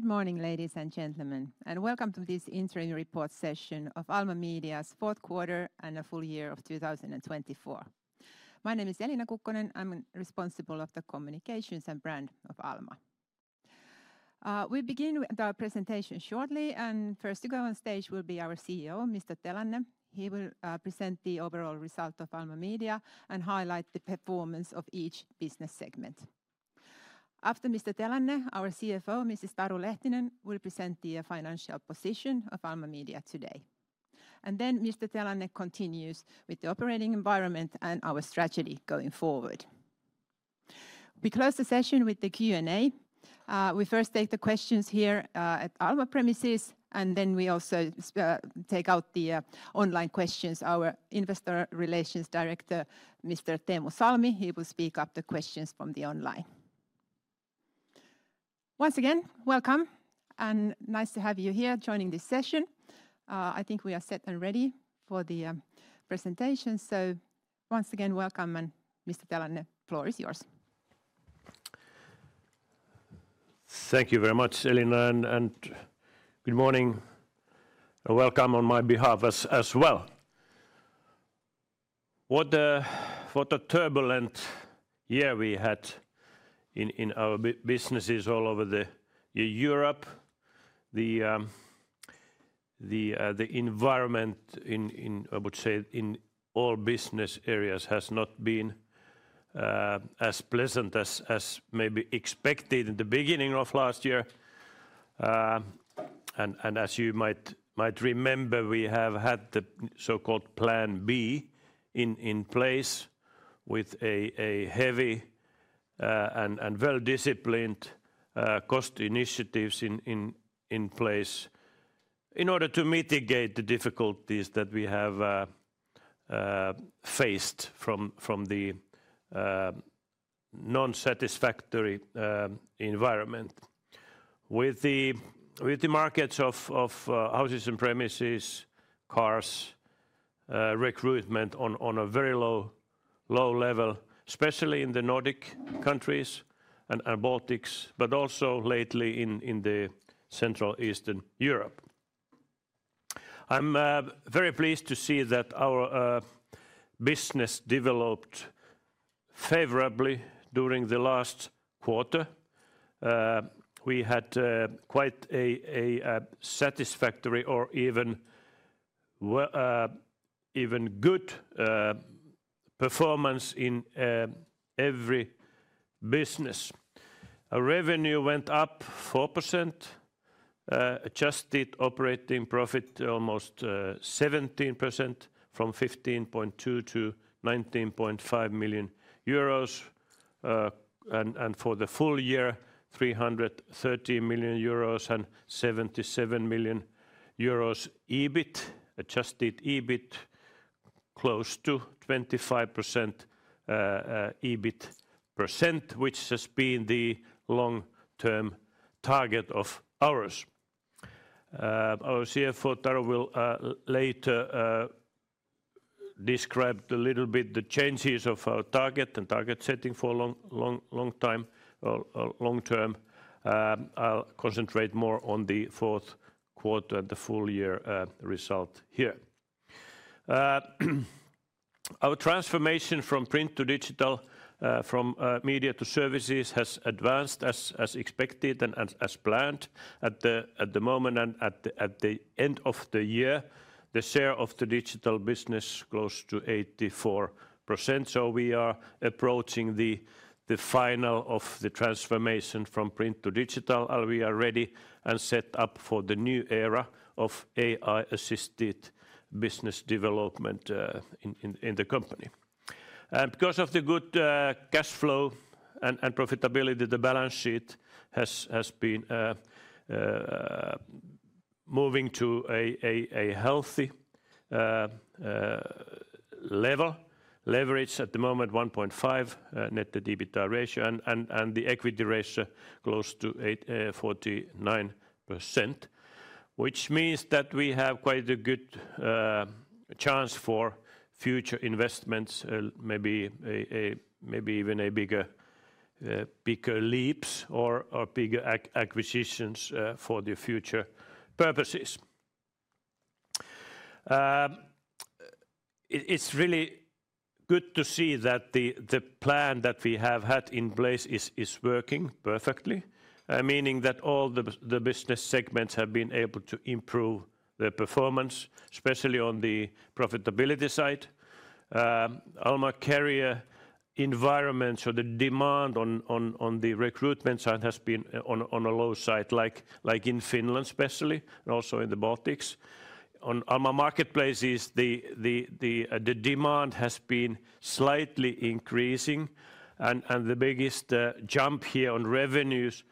Good morning, ladies and gentlemen, and welcome to this interim report session of Alma Media's fourth quarter and a full year of 2024. My name is Elina Kukkonen. I'm responsible for the communications and brand of Alma. We begin with our presentation shortly, and first to go on stage will be our CEO, Mr. Telanne. He will present the overall result of Alma Media and highlight the performance of each business segment. After Mr. Telanne, our CFO, Mrs. Taru Lehtinen, will present the financial position of Alma Media today, and then Mr. Telanne continues with the operating environment and our strategy going forward. We close the session with the Q&A. We first take the questions here at Alma premises, and then we also take out the online questions. Our investor relations director, Mr. Teemu Salmi, he will speak up the questions from the online. Once again, welcome, and nice to have you here joining this session. I think we are set and ready for the presentation, so once again, welcome, and Mr. Telanne, the floor is yours. Thank you very much, Elina, and good morning, and welcome on my behalf as well. What a turbulent year we had in our businesses all over Europe. The environment, I would say, in all business areas has not been as pleasant as maybe expected in the beginning of last year. And as you might remember, we have had the so-called Plan B in place with a heavy and well-disciplined cost initiatives in place in order to mitigate the difficulties that we have faced from the non-satisfactory environment. With the markets of houses and premises, cars recruitment on a very low level, especially in the Nordic countries and Baltics, but also lately in the Central Eastern Europe. I'm very pleased to see that our business developed favorably during the last quarter. We had quite a satisfactory or even good performance in every business. Revenue went up 4%, adjusted operating profit almost 17% from 15.2 million to 19.5 million euros, and for the full year, 330 million euros and 77 million euros EBIT, adjusted EBIT close to 25% EBIT %, which has been the long-term target of ours. Our CFO, Taru, will later describe a little bit the changes of our target and target setting for a long time, long term. I'll concentrate more on the fourth quarter and the full year result here. Our transformation from print to digital, from media to services has advanced as expected and as planned. At the moment and at the end of the year, the share of the digital business is close to 84%, so we are approaching the final of the transformation from print to digital. We are ready and set up for the new era of AI-assisted business development in the company. And because of the good cash flow and profitability, the balance sheet has been moving to a healthy level. Leverage at the moment is 1.5 net debt to EBITDA ratio and the equity ratio close to 49%, which means that we have quite a good chance for future investments, maybe even bigger leaps or bigger acquisitions for the future purposes. It's really good to see that the plan that we have had in place is working perfectly, meaning that all the business segments have been able to improve their performance, especially on the profitability side. Alma Career environment, so the demand on the recruitment side has been on a low side, like in Finland especially, and also in the Baltics. On Alma Marketplaces, the demand has been slightly increasing, and the biggest jump here on revenues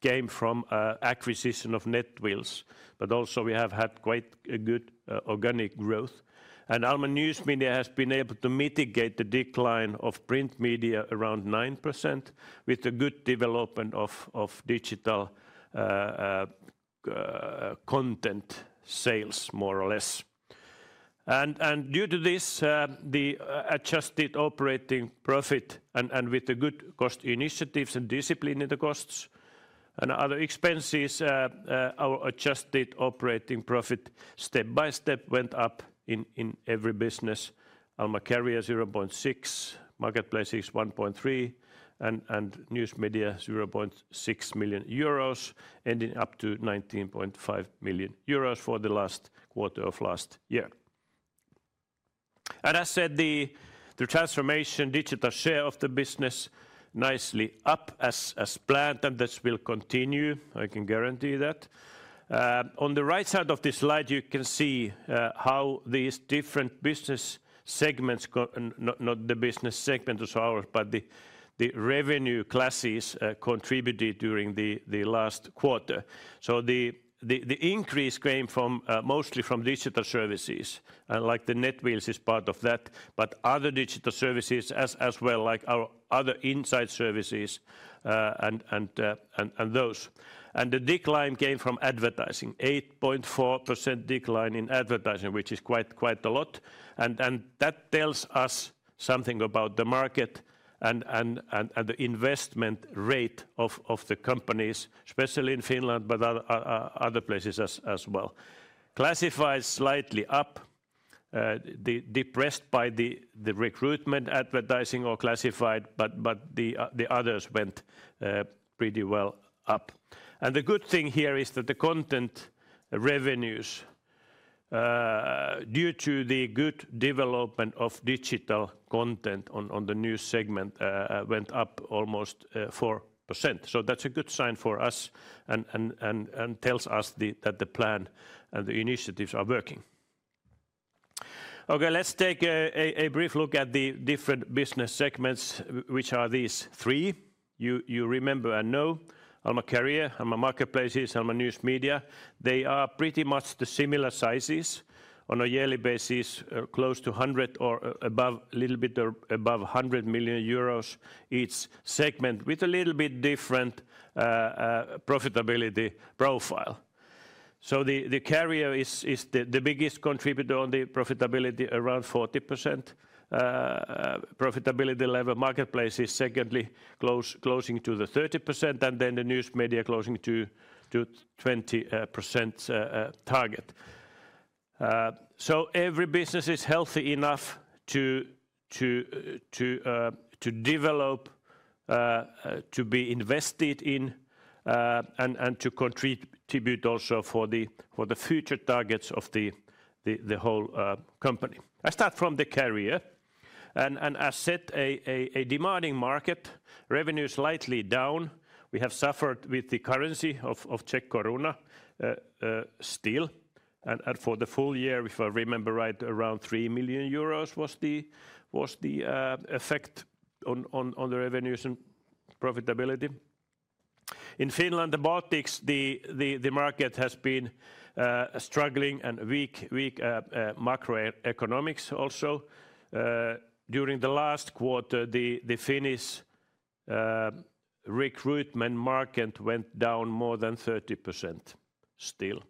came from acquisition of Netwheels, but also we have had quite good organic growth. And Alma News Media has been able to mitigate the decline of print media around 9% with a good development of digital content sales, more or less, and due to this, the adjusted operating profit and with the good cost initiatives and discipline in the costs and other expenses, our adjusted operating profit step by step went up in every business. Alma Career 0.6, Marketplaces 1.3, and News Media 0.6 million euros, ending up to 19.5 million euros for the last quarter of last year, and as I said, the transformation digital share of the business is nicely up as planned, and this will continue, I can guarantee that. On the right side of the slide, you can see how these different business segments, not the business segment of ours, but the revenue classes contributed during the last quarter. So the increase came mostly from digital services, and like the NetWheels is part of that, but other digital services as well, like our other inside services and those. And the decline came from advertising, 8.4% decline in advertising, which is quite a lot. And that tells us something about the market and the investment rate of the companies, especially in Finland, but other places as well. Classified slightly up, depressed by the recruitment advertising or classified, but the others went pretty well up. And the good thing here is that the content revenues, due to the good development of digital content on the news segment, went up almost 4%. So that's a good sign for us and tells us that the plan and the initiatives are working. Okay, let's take a brief look at the different business segments, which are these three. You remember and know Alma Career, Alma Marketplaces, Alma News Media. They are pretty much the similar sizes on a yearly basis, close to 100 or above, a little bit above 100 million euros each segment, with a little bit different profitability profile. The Career is the biggest contributor on the profitability, around 40% profitability level. Marketplaces is secondly, close to the 30%, and then the News Media close to 20% target. Every business is healthy enough to develop, to be invested in, and to contribute also for the future targets of the whole company. I start from the Career. As I said, a demanding market, revenues slightly down. We have suffered with the currency of Czech koruna still, and for the full year, if I remember right, around 3 million euros was the effect on the revenues and profitability. In Finland, the Baltics, the market has been struggling and weak macroeconomics also. During the last quarter, the Finnish recruitment market went down more than 30% still.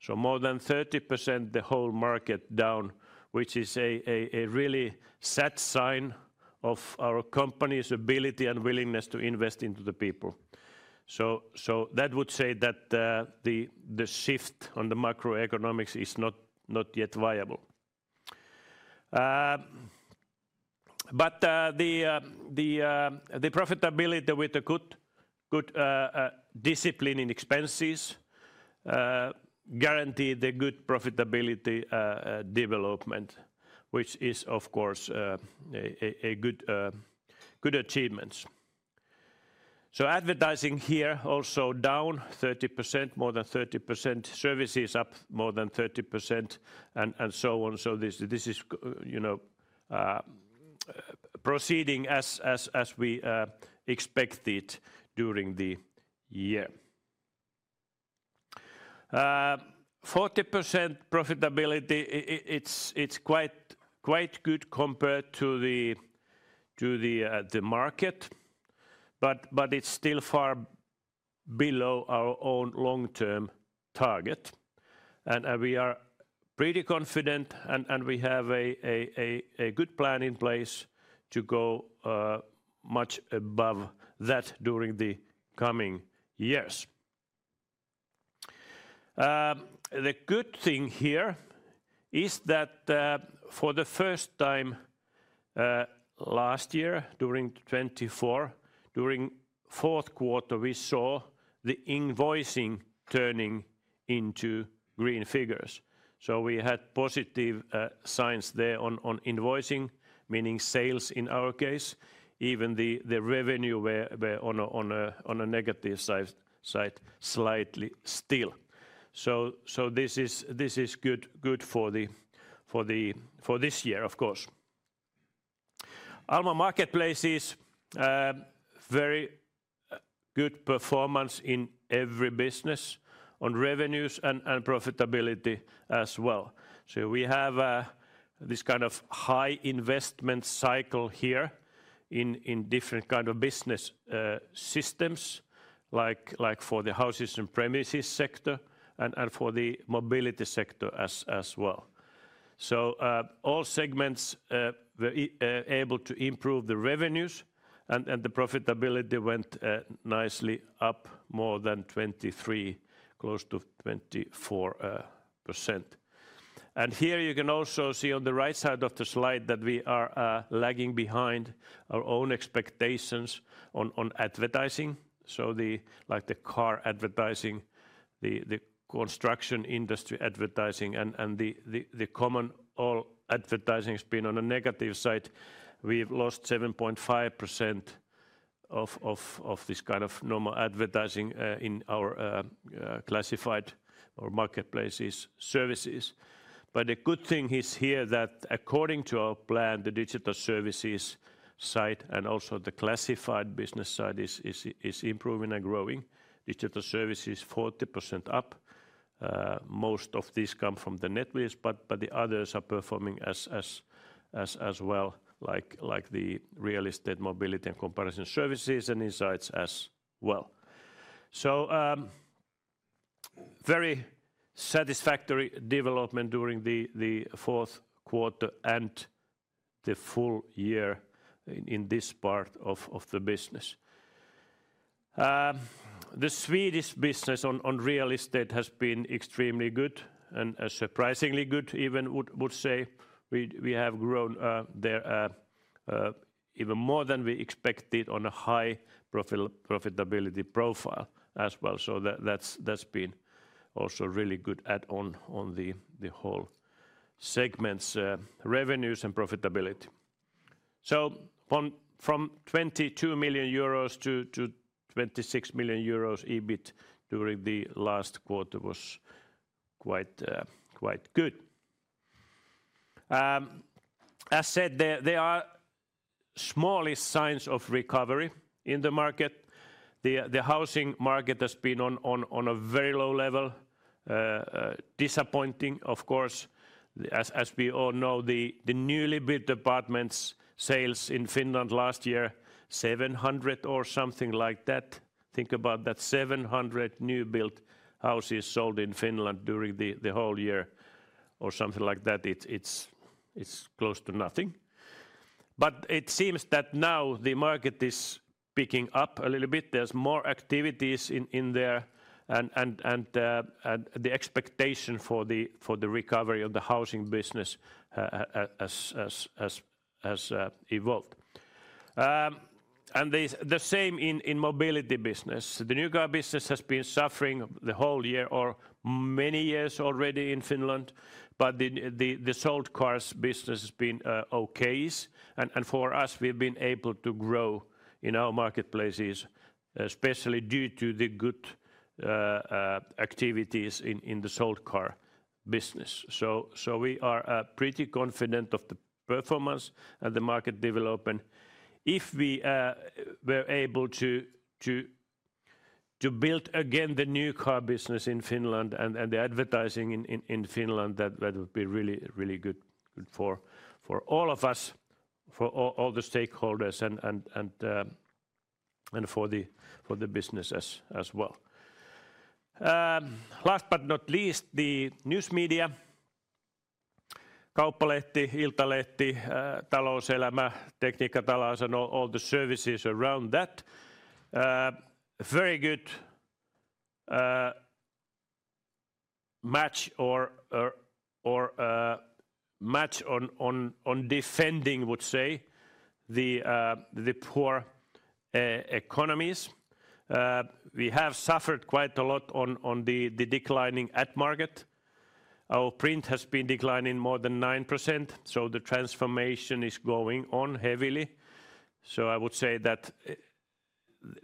So more than 30%, the whole market down, which is a really sad sign of our company's ability and willingness to invest into the people. So that would say that the shift on the macroeconomics is not yet viable. But the profitability with a good discipline in expenses guaranteed the good profitability development, which is of course a good achievement. So advertising here also down 30%, more than 30%, and so on. So this is proceeding as we expected during the year. 40% profitability, it's quite good compared to the market, but it's still far below our own long-term target. We are pretty confident, and we have a good plan in place to go much above that during the coming years. The good thing here is that for the first time last year, during 2024, during fourth quarter, we saw the invoicing turning into green figures. So we had positive signs there on invoicing, meaning sales in our case, even the revenue were on a negative side slightly still. So this is good for this year, of course. Alma Marketplaces, very good performance in every business on revenues and profitability as well. So we have this kind of high investment cycle here in different kinds of business systems, like for the houses and premises sector and for the mobility sector as well. So all segments were able to improve the revenues, and the profitability went nicely up more than 23%, close to 24%. Here you can also see on the right side of the slide that we are lagging behind our own expectations on advertising. Like the car advertising, the construction industry advertising, and the commercial advertising has been on a negative side. We've lost 7.5% of this kind of normal advertising in our classified or marketplaces services. But the good thing is here that according to our plan, the digital services side and also the classified business side is improving and growing. Digital services 40% up. Most of these come from the NetWheels, but the others are performing as well, like the real estate mobility and comparison services and insights as well. Very satisfactory development during the fourth quarter and the full year in this part of the business. The Swedish business on real estate has been extremely good and surprisingly good, even would say. We have grown there even more than we expected on a high profitability profile as well. So that's been also really good add-on on the whole segments, revenues and profitability. So from 22 million euros to 26 million euros EBIT during the last quarter was quite good. As I said, there are small signs of recovery in the market. The housing market has been on a very low level, disappointing of course. As we all know, the newly built apartment sales in Finland last year, 700 or something like that. Think about that, 700 newly built houses sold in Finland during the whole year or something like that. It's close to nothing. But it seems that now the market is picking up a little bit. There's more activities in there and the expectation for the recovery of the housing business has evolved. And the same in mobility business. The new car business has been suffering the whole year or many years already in Finland, but the sold cars business has been okay. For us, we've been able to grow in our marketplaces, especially due to the good activities in the sold car business. We are pretty confident of the performance and the market development. If we were able to build again the new car business in Finland and the advertising in Finland, that would be really good for all of us, for all the stakeholders and for the business as well. Last but not least, the news media, Kauppalehti, Iltalehti, Talouselämä, Tekniikka & Talous and all the services around that. Very good match or match on defending, would say, the poor economies. We have suffered quite a lot on the declining ad market. Our print has been declining more than 9%, so the transformation is going on heavily. I would say that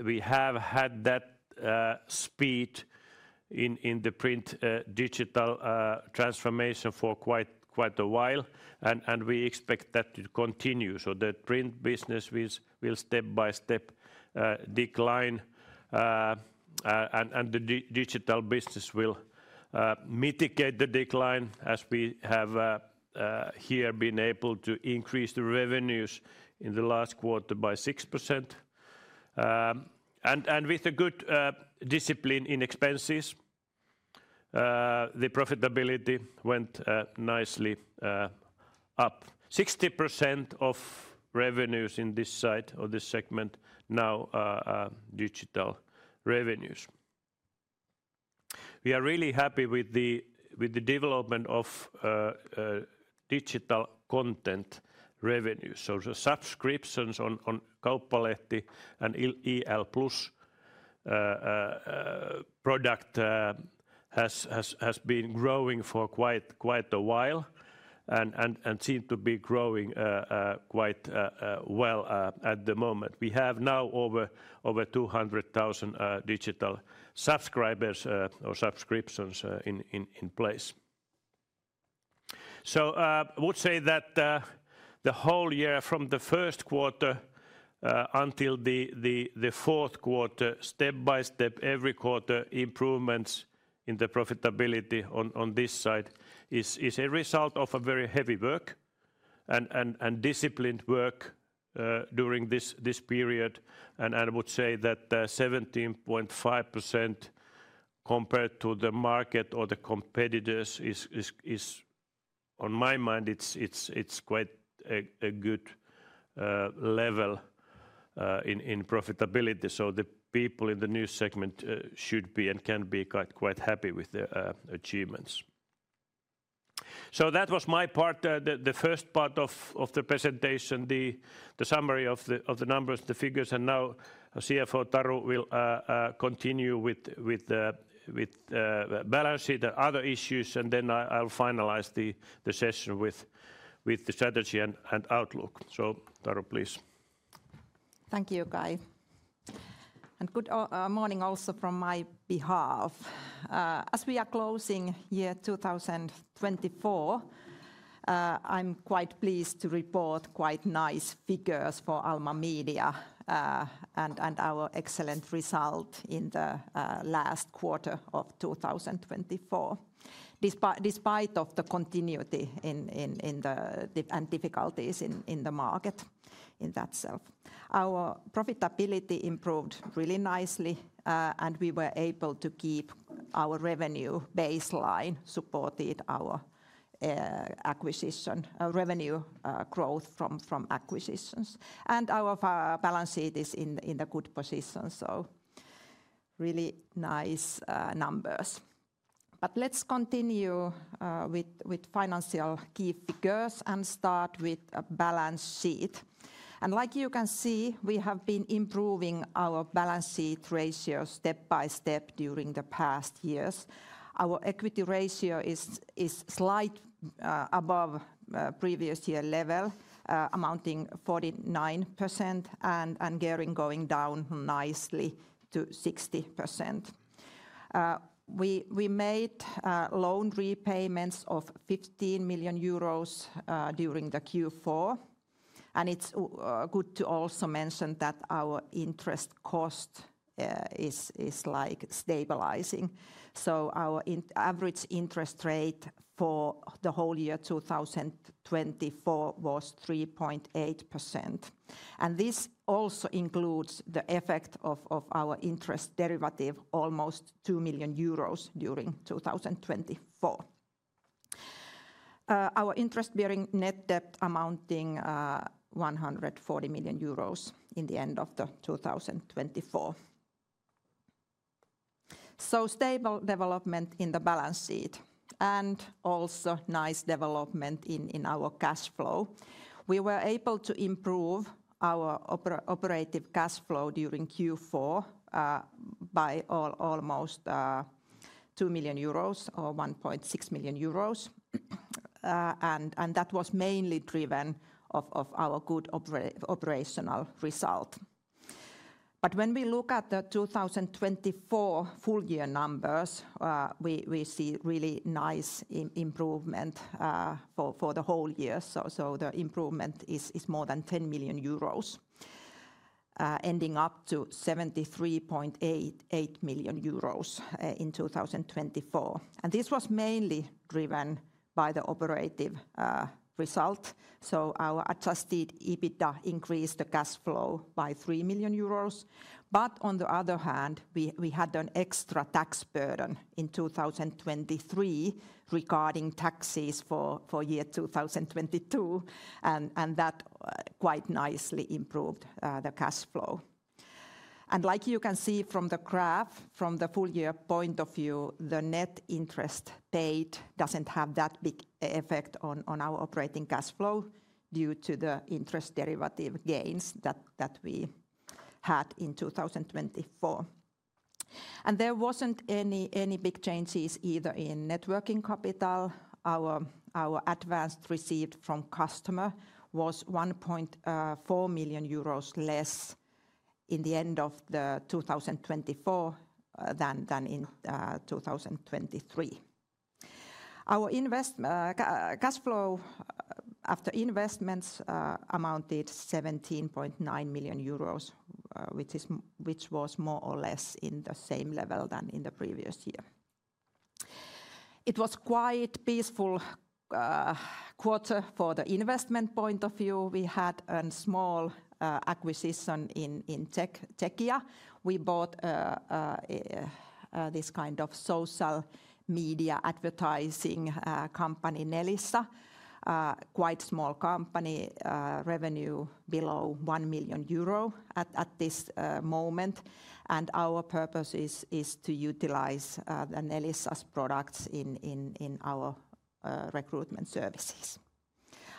we have had that speed in the print digital transformation for quite a while, and we expect that to continue. The print business will step by step decline, and the digital business will mitigate the decline as we have here been able to increase the revenues in the last quarter by 6%. And with a good discipline in expenses, the profitability went nicely up. 60% of revenues in this side of the segment now are digital revenues. We are really happy with the development of digital content revenues. The subscriptions on Kauppalehti and IL Plus product has been growing for quite a while and seemed to be growing quite well at the moment. We have now over 200,000 digital subscribers or subscriptions in place. So I would say that the whole year from the first quarter until the fourth quarter, step by step, every quarter improvements in the profitability on this side is a result of very heavy work and disciplined work during this period. And I would say that 17.5% compared to the market or the competitors is, on my mind, it's quite a good level in profitability. So the people in the new segment should be and can be quite happy with the achievements. So that was my part, the first part of the presentation, the summary of the numbers, the figures. And now CFO Taru will continue with balance sheet and other issues, and then I'll finalize the session with the strategy and outlook. So Taru, please. Thank you, Kai. And good morning also from my behalf. As we are closing year 2024, I'm quite pleased to report quite nice figures for Alma Media and our excellent result in the last quarter of 2024. Despite the continuity and difficulties in the market in itself. Our profitability improved really nicely, and we were able to keep our revenue baseline, supported our acquisition, revenue growth from acquisitions. And our balance sheet is in the good position, so really nice numbers. But let's continue with financial key figures and start with a balance sheet. And like you can see, we have been improving our balance sheet ratio step by step during the past years. Our equity ratio is slightly above previous year level, amounting to 49%, and going down nicely to 60%. We made loan repayments of 15 million euros during the Q4. And it's good to also mention that our interest cost is like stabilizing. Our average interest rate for the whole year 2024 was 3.8%. And this also includes the effect of our interest derivative, almost 2 million euros during 2024. Our interest-bearing net debt amounting 140 million euros in the end of 2024. So stable development in the balance sheet and also nice development in our cash flow. We were able to improve our operative cash flow during Q4 by almost 2 million euros or 1.6 million euros. And that was mainly driven by our good operational result. But when we look at the 2024 full year numbers, we see really nice improvement for the whole year. So the improvement is more than 10 million euros, ending up to 73.8 million euros in 2024. And this was mainly driven by the operative result. So our adjusted EBITDA increased the cash flow by 3 million euros. But on the other hand, we had an extra tax burden in 2023 regarding taxes for year 2022, and that quite nicely improved the cash flow. And like you can see from the graph, from the full year point of view, the net interest paid doesn't have that big effect on our operating cash flow due to the interest derivative gains that we had in 2024. And there wasn't any big changes either in working capital. Our advance received from customer was 1.4 million euros less in the end of 2024 than in 2023. Our cash flow after investments amounted to 17.9 million euros, which was more or less in the same level than in the previous year. It was quite a peaceful quarter for the investment point of view. We had a small acquisition in Czechia. We bought this kind of social media advertising company, Nelisa, quite a small company, revenue below 1 million euro at this moment. And our purpose is to utilize the Nelisa's products in our recruitment services.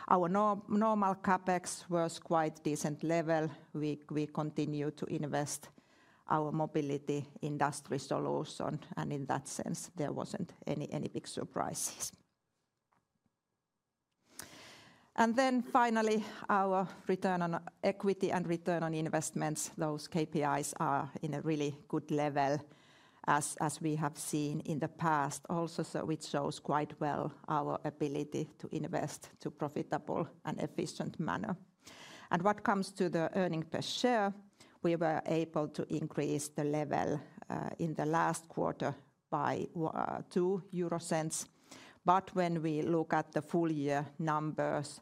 Our normal CapEx was quite a decent level. We continue to invest in our mobility industry solution, and in that sense, there wasn't any big surprises. And then finally, our return on equity and return on investments, those KPIs are in a really good level as we have seen in the past also, so it shows quite well our ability to invest in a profitable and efficient manner. And what comes to the earnings per share, we were able to increase the level in the last quarter by 0.02. But when we look at the full year numbers,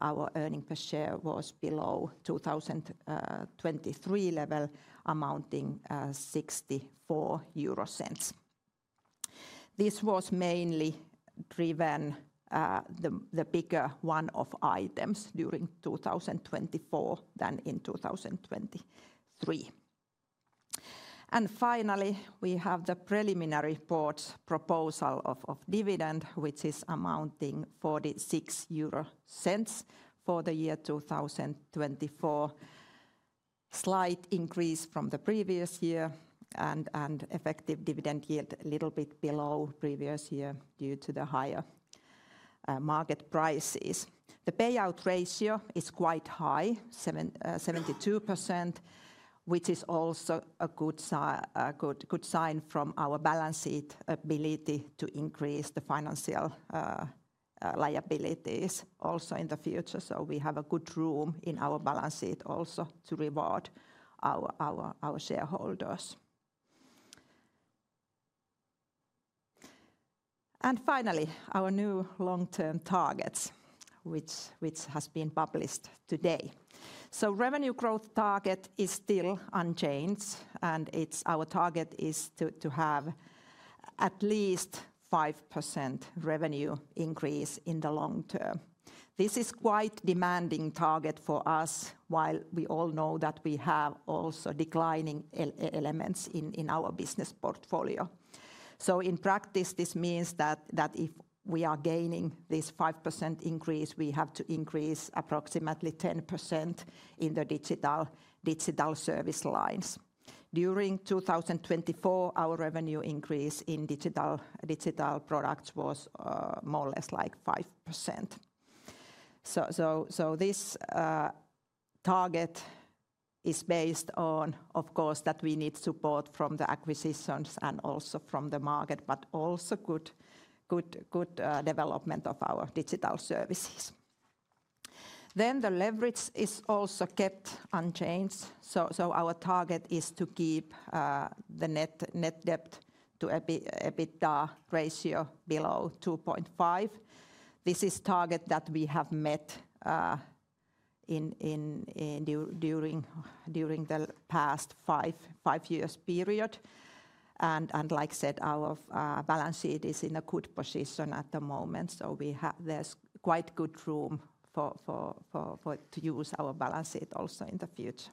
our earnings per share was below 2023 level, amounting to EUR 0.64. This was mainly driven by the bigger one-off items during 2024 than in 2023, and finally, we have the preliminary report proposal of dividend, which is amounting to EUR 0.46 for the year 2024, slight increase from the previous year, and effective dividend yield a little bit below previous year due to the higher market prices. The payout ratio is quite high, 72%, which is also a good sign from our balance sheet ability to increase the financial liabilities also in the future. So we have a good room in our balance sheet also to reward our shareholders, and finally, our new long-term targets, which has been published today, so revenue growth target is still unchanged, and our target is to have at least 5% revenue increase in the long term. This is quite a demanding target for us, while we all know that we have also declining elements in our business portfolio. So in practice, this means that if we are gaining this 5% increase, we have to increase approximately 10% in the digital service lines. During 2024, our revenue increase in digital products was more or less like 5%. So this target is based on, of course, that we need support from the acquisitions and also from the market, but also good development of our digital services. Then the leverage is also kept unchanged. So our target is to keep the net debt to EBITDA ratio below 2.5. This is a target that we have met during the past five years period. And like I said, our balance sheet is in a good position at the moment. There's quite good room to use our balance sheet also in the future.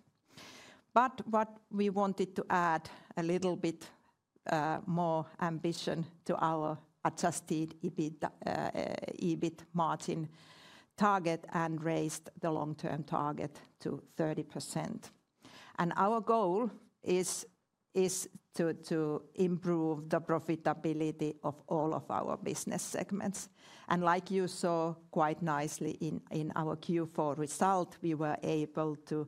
But what we wanted to add a little bit more ambition to our adjusted EBITDA margin target and raised the long-term target to 30%. Our goal is to improve the profitability of all of our business segments. Like you saw quite nicely in our Q4 result, we were able to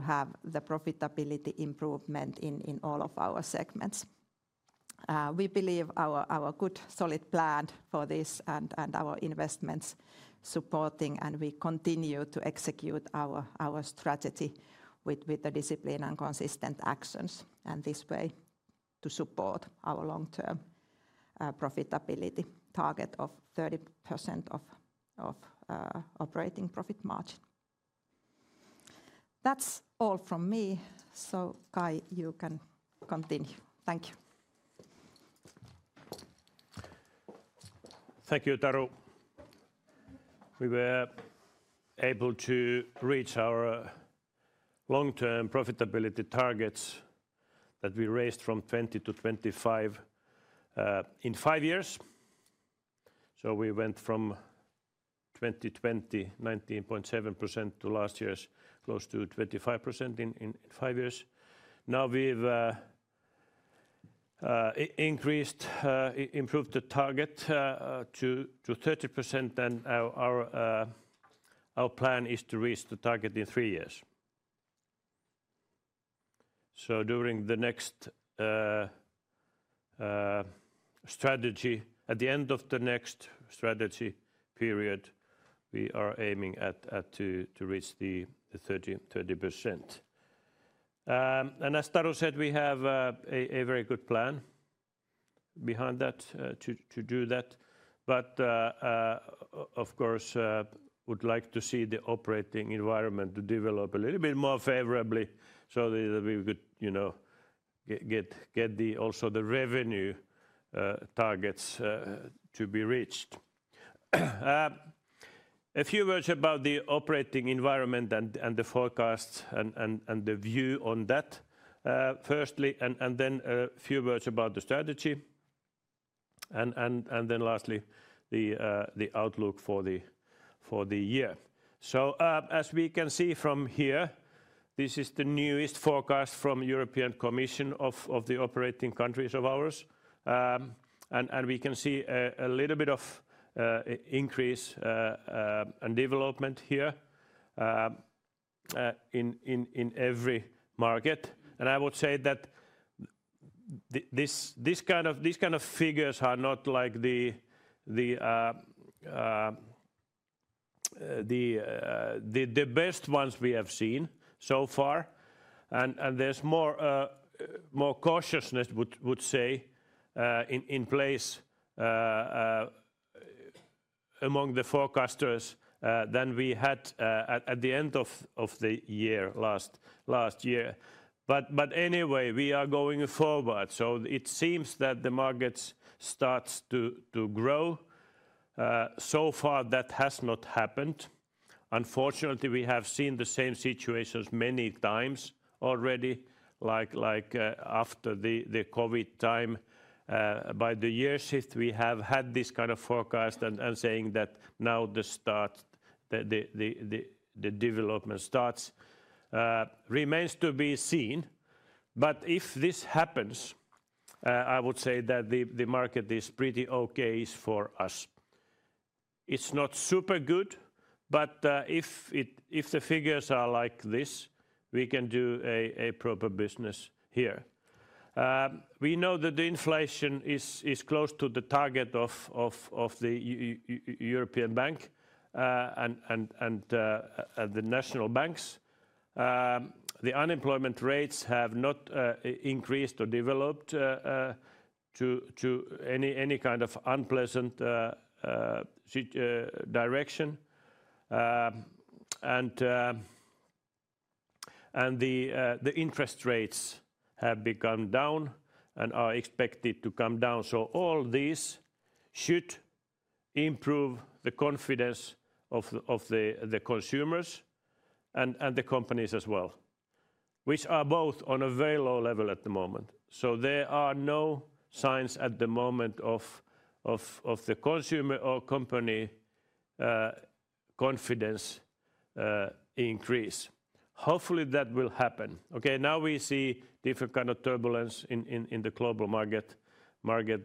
have the profitability improvement in all of our segments. We believe our good solid plan for this and our investments supporting, and we continue to execute our strategy with the discipline and consistent actions. This way to support our long-term profitability target of 30% of operating profit margin. That's all from me. So Kai, you can continue. Thank you. Thank you, Taru. We were able to reach our long-term profitability targets that we raised from 20%-25% in five years. So we went from 2020, 19.7% to last year's close to 25% in five years. Now we've increased, improved the target to 30%, and our plan is to reach the target in three years. So during the next strategy, at the end of the next strategy period, we are aiming to reach the 30%. And as Taru said, we have a very good plan behind that to do that. But of course, we'd like to see the operating environment to develop a little bit more favorably so that we could get also the revenue targets to be reached. A few words about the operating environment and the forecasts and the view on that firstly, and then a few words about the strategy. And then lastly, the outlook for the year. So as we can see from here, this is the newest forecast from the European Commission of the operating countries of ours. And we can see a little bit of increase and development here in every market. And I would say that these kind of figures are not like the best ones we have seen so far. And there's more cautiousness, I would say, in place among the forecasters than we had at the end of the year last year. But anyway, we are going forward. So it seems that the markets start to grow. So far that has not happened. Unfortunately, we have seen the same situations many times already, like after the COVID time. By the year shift, we have had this kind of forecast and saying that now the development starts remains to be seen. But if this happens, I would say that the market is pretty okay for us. It's not super good, but if the figures are like this, we can do a proper business here. We know that the inflation is close to the target of the European Bank and the national banks. The unemployment rates have not increased or developed to any kind of unpleasant direction, and the interest rates have become down and are expected to come down. So all these should improve the confidence of the consumers and the companies as well, which are both on a very low level at the moment, so there are no signs at the moment of the consumer or company confidence increase. Hopefully, that will happen. Okay, now we see different kinds of turbulence in the global market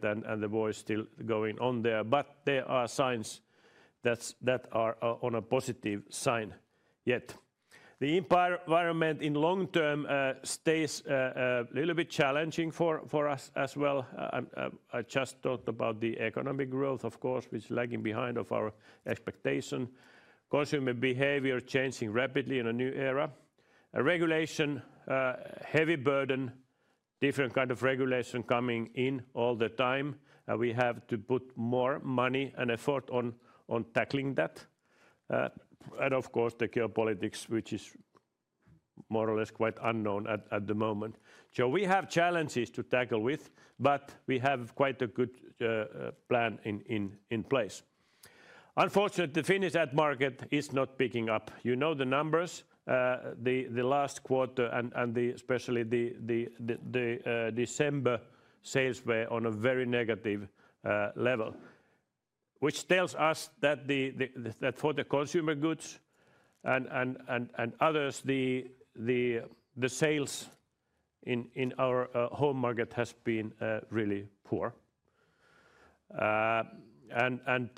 and the war still going on there. But there are signs that are on a positive side yet. The environment in the long term stays a little bit challenging for us as well. I just talked about the economic growth, of course, which is lagging behind our expectation. Consumer behavior changing rapidly in a new era. Regulation, heavy burden, different kinds of regulation coming in all the time. We have to put more money and effort on tackling that. And of course, the geopolitics, which is more or less quite unknown at the moment. So we have challenges to tackle with, but we have quite a good plan in place. Unfortunately, the Finnish ad market is not picking up. You know the numbers, the last quarter, and especially the December sales were on a very negative level, which tells us that for the consumer goods and others, the sales in our home market has been really poor. And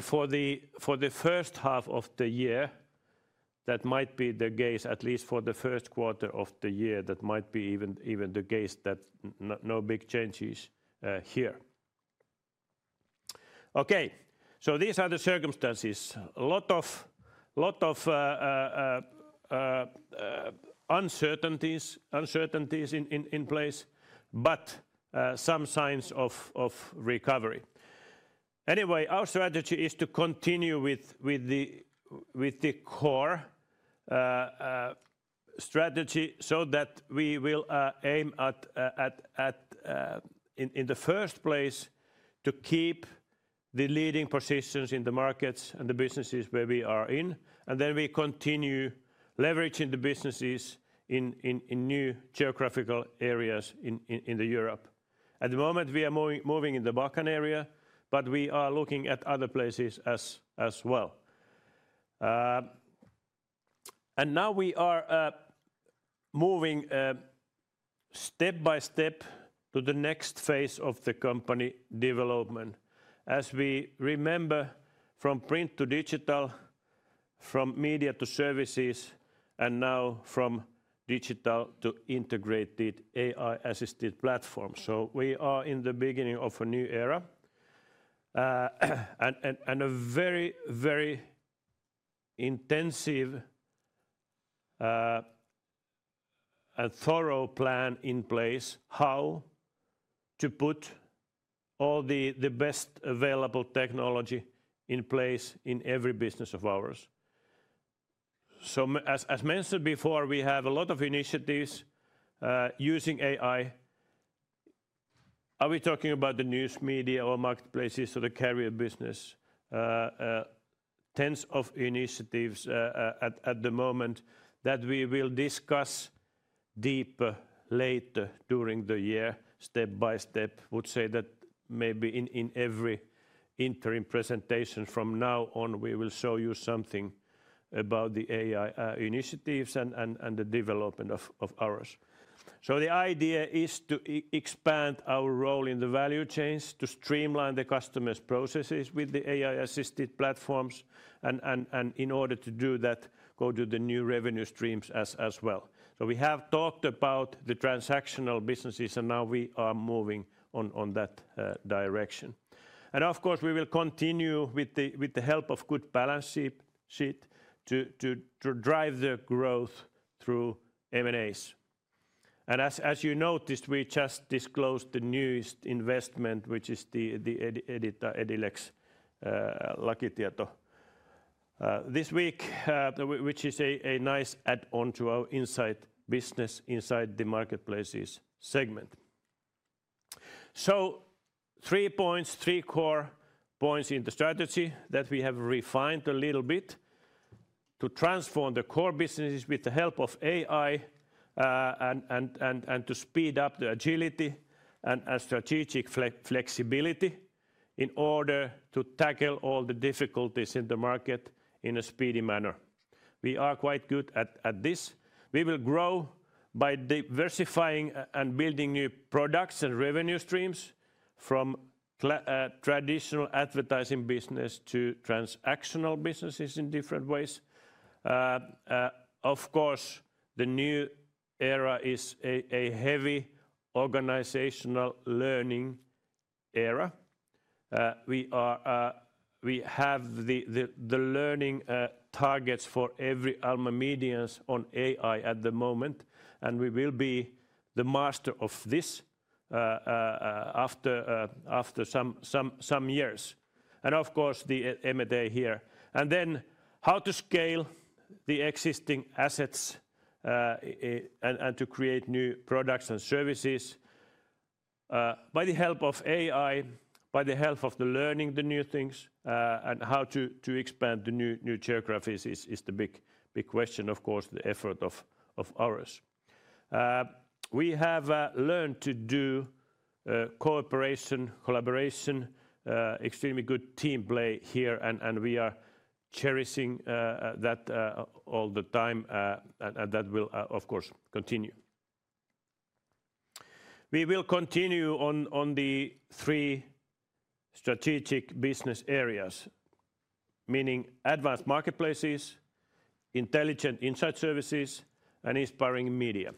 for the first half of the year, that might be the case, at least for the first quarter of the year, that might be even the case that no big changes here. Okay, so these are the circumstances. A lot of uncertainties in place, but some signs of recovery. Anyway, our strategy is to continue with the core strategy so that we will aim at, in the first place, to keep the leading positions in the markets and the businesses where we are in. And then we continue leveraging the businesses in new geographical areas in Europe. At the moment, we are moving in the Balkan area, but we are looking at other places as well. And now we are moving step by step to the next phase of the company development. As we remember from print to digital, from media to services, and now from digital to integrated AI-assisted platforms, so we are in the beginning of a new era and a very, very intensive and thorough plan in place how to put all the best available technology in place in every business of ours, so as mentioned before, we have a lot of initiatives using AI. Are we talking about the news media or marketplaces or the career business? Tens of initiatives at the moment that we will discuss deeper later during the year, step by step. I would say that maybe in every interim presentation from now on, we will show you something about the AI initiatives and the development of ours, so the idea is to expand our role in the value chains to streamline the customer's processes with the AI-assisted platforms. And in order to do that, go to the new revenue streams as well. So we have talked about the transactional businesses, and now we are moving on that direction. And of course, we will continue with the help of good balance sheet to drive the growth through M&As. And as you noticed, we just disclosed the newest investment, which is the Edita Edilex Lakitieto this week, which is a nice add-on to our inside business inside the marketplaces segment. So three points, three core points in the strategy that we have refined a little bit to transform the core businesses with the help of AI and to speed up the agility and strategic flexibility in order to tackle all the difficulties in the market in a speedy manner. We are quite good at this. We will grow by diversifying and building new products and revenue streams from traditional advertising business to transactional businesses in different ways. Of course, the new era is a heavy organizational learning era. We have the learning targets for every Alma Media on AI at the moment, and we will be the master of this after some years, and of course, the M&A here, and then how to scale the existing assets and to create new products and services by the help of AI, by the help of the learning, the new things, and how to expand the new geographies is the big question, of course, the effort of ours. We have learned to do cooperation, collaboration, extremely good team play here, and we are cherishing that all the time, and that will, of course, continue. We will continue on the three strategic business areas, meaning advanced marketplaces, intelligent insight services, and inspiring media.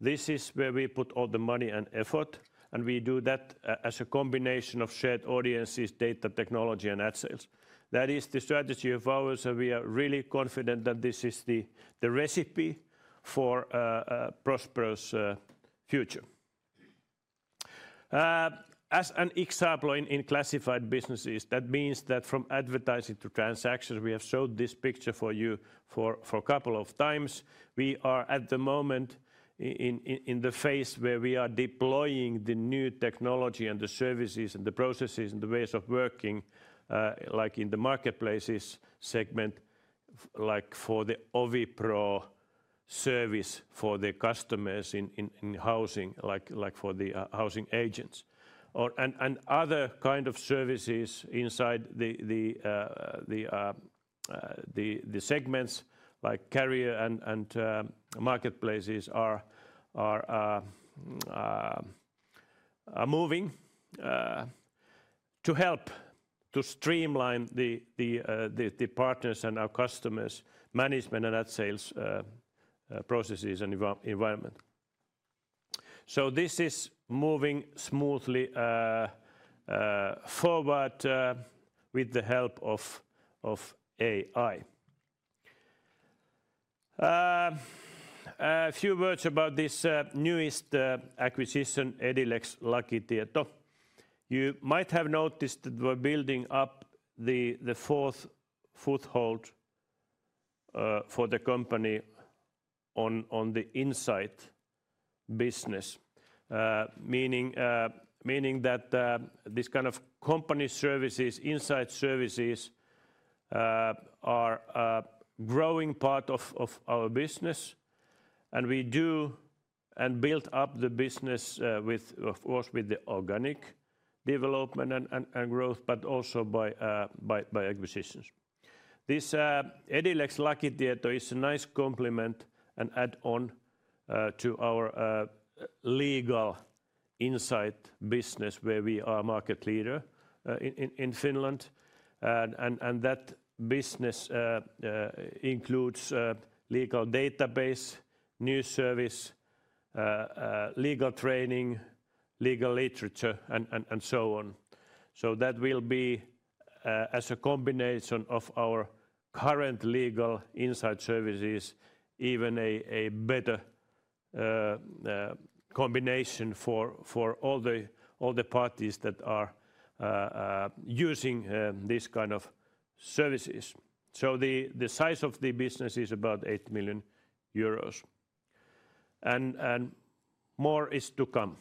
This is where we put all the money and effort, and we do that as a combination of shared audiences, data, technology, and ad sales. That is the strategy of ours, and we are really confident that this is the recipe for a prosperous future. As an example in classified businesses, that means that from advertising to transactions, we have showed this picture for you for a couple of times. We are at the moment in the phase where we are deploying the new technology and the services and the processes and the ways of working, like in the marketplaces segment, like for the OviPro service for the customers in housing, like for the housing agents. Other kinds of services inside the segments, like Career and Marketplaces, are moving to help to streamline the partners and our customers' management and ad sales processes and environment. This is moving smoothly forward with the help of AI. A few words about this newest acquisition, Edita Lakitieto. You might have noticed that we're building up the fourth foothold for the company on the inside business, meaning that this kind of company services, inside services, are a growing part of our business. We do and build up the business, of course, with the organic development and growth, but also by acquisitions. This Edita Lakitieto is a nice complement and add-on to our legal inside business, where we are a market leader in Finland. That business includes a legal database, new service, legal training, legal literature, and so on. That will be, as a combination of our current legal insight services, even a better combination for all the parties that are using these kinds of services. So the size of the business is about 8 million euros. And more is to come.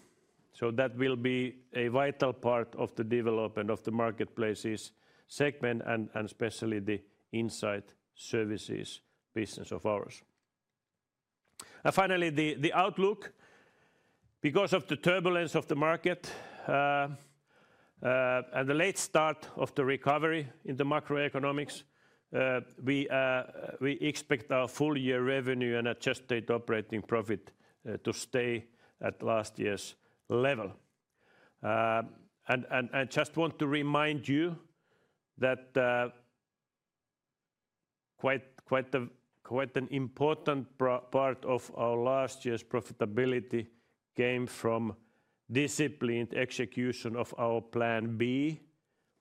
So that will be a vital part of the development of the marketplaces segment and especially the insight services business of ours. And finally, the outlook, because of the turbulence of the market and the late start of the recovery in the macroeconomic, we expect our full-year revenue and adjusted operating profit to stay at last year's level. I just want to remind you that quite an important part of our last year's profitability came from disciplined execution of our Plan B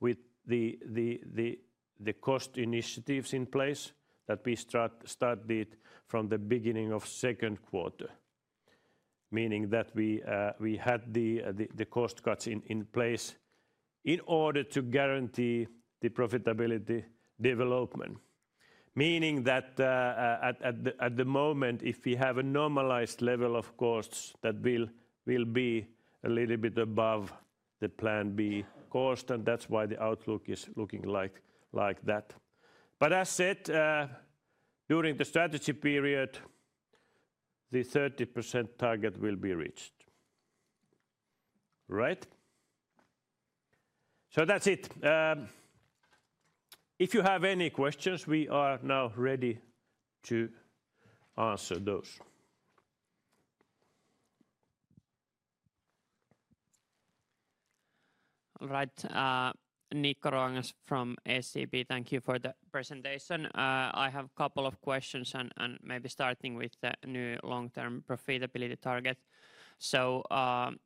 with the cost initiatives in place that we started from the beginning of second quarter, meaning that we had the cost cuts in place in order to guarantee the profitability development, meaning that at the moment, if we have a normalized level of costs, that will be a little bit above the Plan B cost, and that's why the outlook is looking like that. But as said, during the strategy period, the 30% target will be reached. Right? So that's it. If you have any questions, we are now ready to answer those. All right. Nikko Ruokangas from SEB, thank you for the presentation. I have a couple of questions, and maybe starting with the new long-term profitability target. So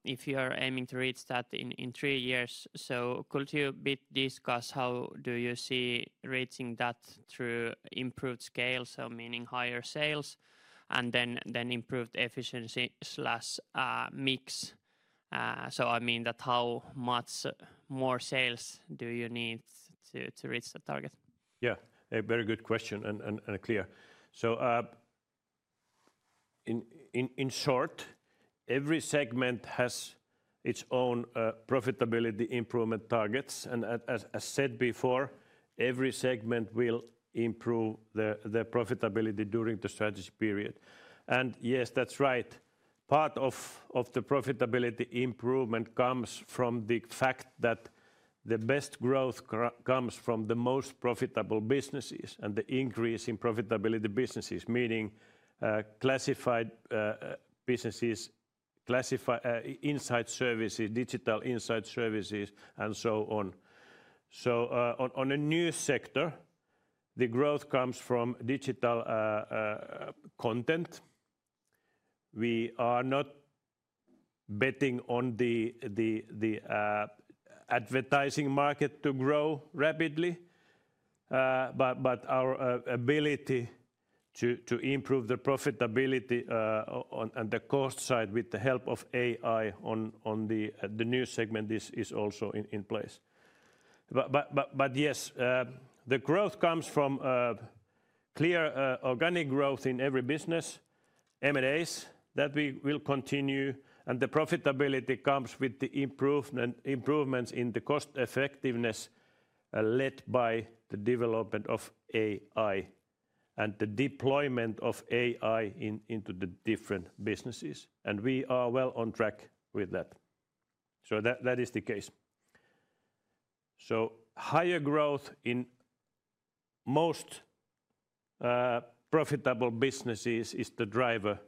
if you're aiming to reach that in three years, so could you discuss how do you see reaching that through improved scale, so meaning higher sales and then improved efficiency/mix? So I mean that how much more sales do you need to reach the target? Yeah, a very good question and clear. So in short, every segment has its own profitability improvement targets. And as said before, every segment will improve the profitability during the strategy period. And yes, that's right. Part of the profitability improvement comes from the fact that the best growth comes from the most profitable businesses and the increase in profitability businesses, meaning classified businesses, inside services, digital inside services, and so on. So on a new sector, the growth comes from digital content. We are not betting on the advertising market to grow rapidly, but our ability to improve the profitability and the cost side with the help of AI on the new segment is also in place. But yes, the growth comes from clear organic growth in every business, M&As that we will continue, and the profitability comes with the improvements in the cost effectiveness led by the development of AI and the deployment of AI into the different businesses. And we are well on track with that. So that is the case. So higher growth in most profitable businesses is the driver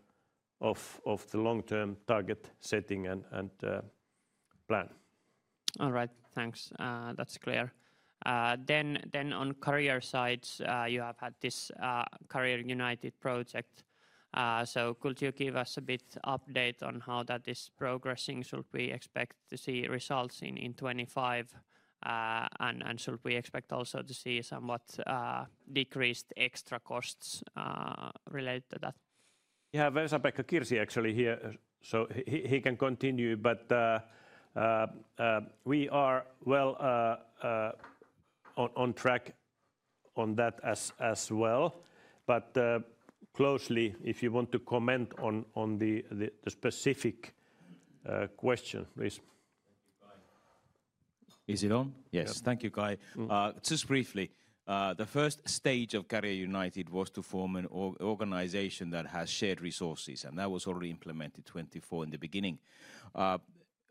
of the long-term target setting and plan. All right, thanks. That's clear. Then on career sides, you have had this Career United project. So could you give us a bit of update on how that is progressing? Should we expect to see results in 2025? Should we expect also to see somewhat decreased extra costs related to that? Yeah, Vesa-Pekka Kirsi actually here, so he can continue, but we are well on track on that as well, but closely, if you want to comment on the specific question, please. Is it on? Yes, thank you, Kai. Just briefly, the first stage of Career United was to form an organization that has shared resources, and that was already implemented in 2024 in the beginning.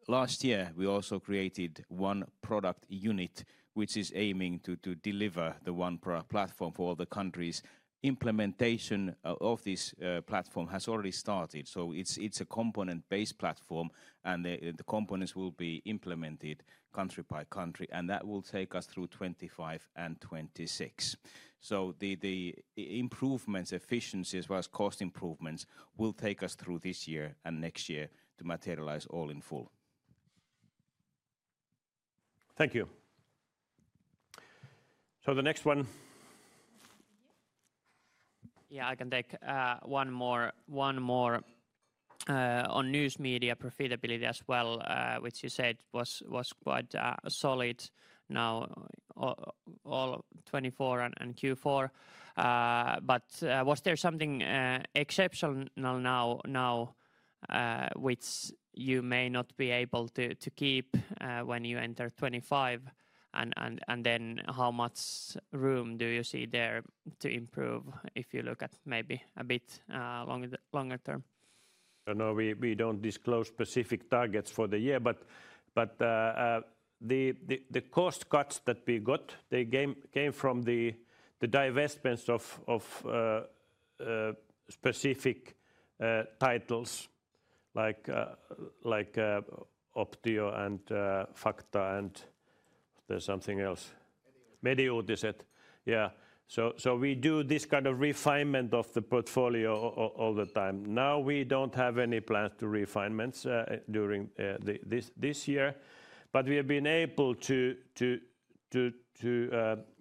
Last year, we also created one product unit, which is aiming to deliver the OnePro platform for all the countries. Implementation of this platform has already started. So it's a component-based platform, and the components will be implemented country by country, and that will take us through 2025 and 2026. The improvements, efficiencies, as well as cost improvements, will take us through this year and next year to materialize all in full. Thank you. The next one. Yeah, I can take one more on news media profitability as well, which you said was quite solid now, all 2024 and Q4. But was there something exceptional now which you may not be able to keep when you enter 2025? And then how much room do you see there to improve if you look at maybe a bit longer term? No, we don't disclose specific targets for the year, but the cost cuts that we got, they came from the divestments of specific titles like Optio and Fakta and there's something else. Mediuutiset. Yeah. We do this kind of refinement of the portfolio all the time. Now we don't have any plans to refine during this year, but we have been able to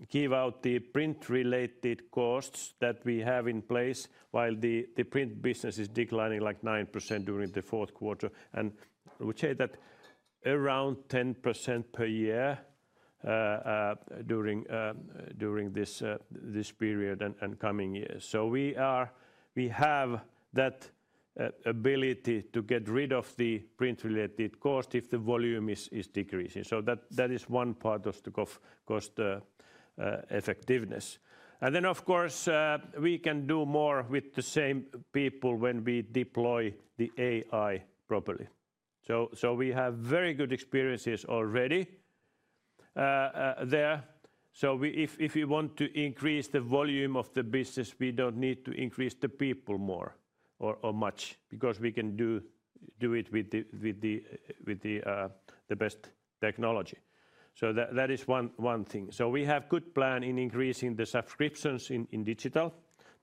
give out the print-related costs that we have in place while the print business is declining like 9% during the fourth quarter, and we say that around 10% per year during this period and coming years. So we have that ability to get rid of the print-related cost if the volume is decreasing. So that is one part of cost effectiveness. And then, of course, we can do more with the same people when we deploy the AI properly. So we have very good experiences already there. So if you want to increase the volume of the business, we don't need to increase the people more or much because we can do it with the best technology. So that is one thing. So we have a good plan in increasing the subscriptions in digital,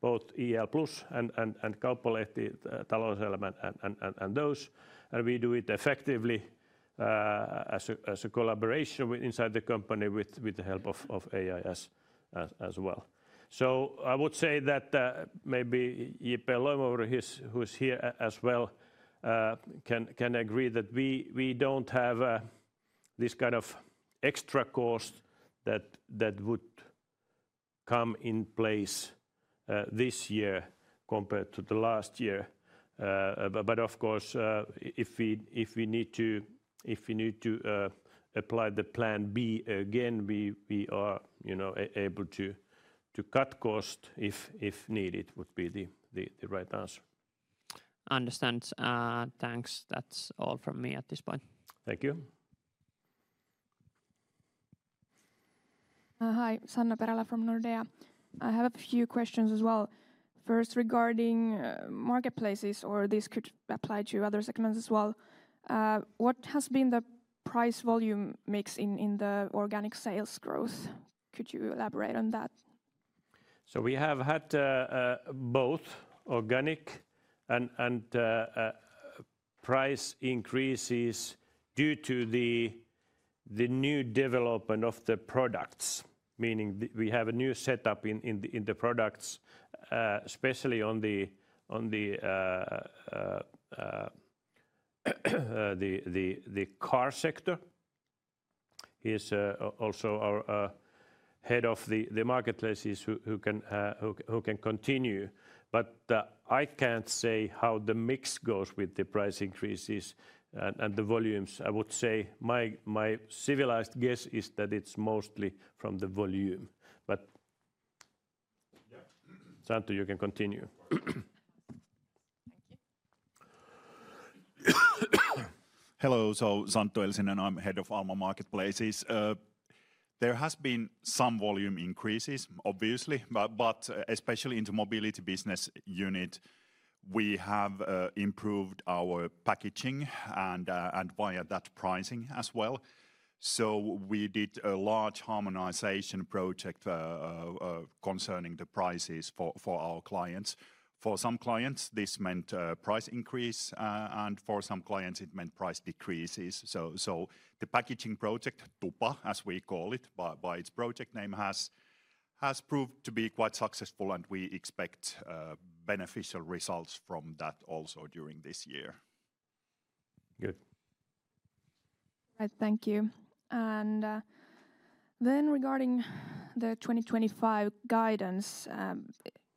both IL Plus and Kauppalehti Talouselämä and those. And we do it effectively as a collaboration inside the company with the help of AI as well. So I would say that maybe J-P Loimovuori, who's here as well, can agree that we don't have this kind of extra cost that would come in place this year compared to the last year. But of course, if we need to apply the Plan B again, we are able to cut costs if needed would be the right answer. Understand. Thanks. That's all from me at this point. Thank you. Hi, Sanna Perälä from Nordea. I have a few questions as well. First, regarding marketplaces, or this could apply to other segments as well. What has been the price volume mix in the organic sales growth? Could you elaborate on that? We have had both organic and price increases due to the new development of the products, meaning we have a new setup in the products, especially on the car sector. He's also our head of the marketplaces who can continue. I can't say how the mix goes with the price increases and the volumes. I would say my best guess is that it's mostly from the volume. Santtu, you can continue. Thank you. Hello, Santtu Elsinen, I'm head of Alma Marketplaces. There has been some volume increases, obviously, but especially in the mobility business unit, we have improved our packaging and via that pricing as well. We did a large harmonization project concerning the prices for our clients. For some clients, this meant price increase, and for some clients, it meant price decreases. So the packaging project, Tupa, as we call it by its project name, has proved to be quite successful, and we expect beneficial results from that also during this year. Good. All right, thank you. And then regarding the 2025 guidance,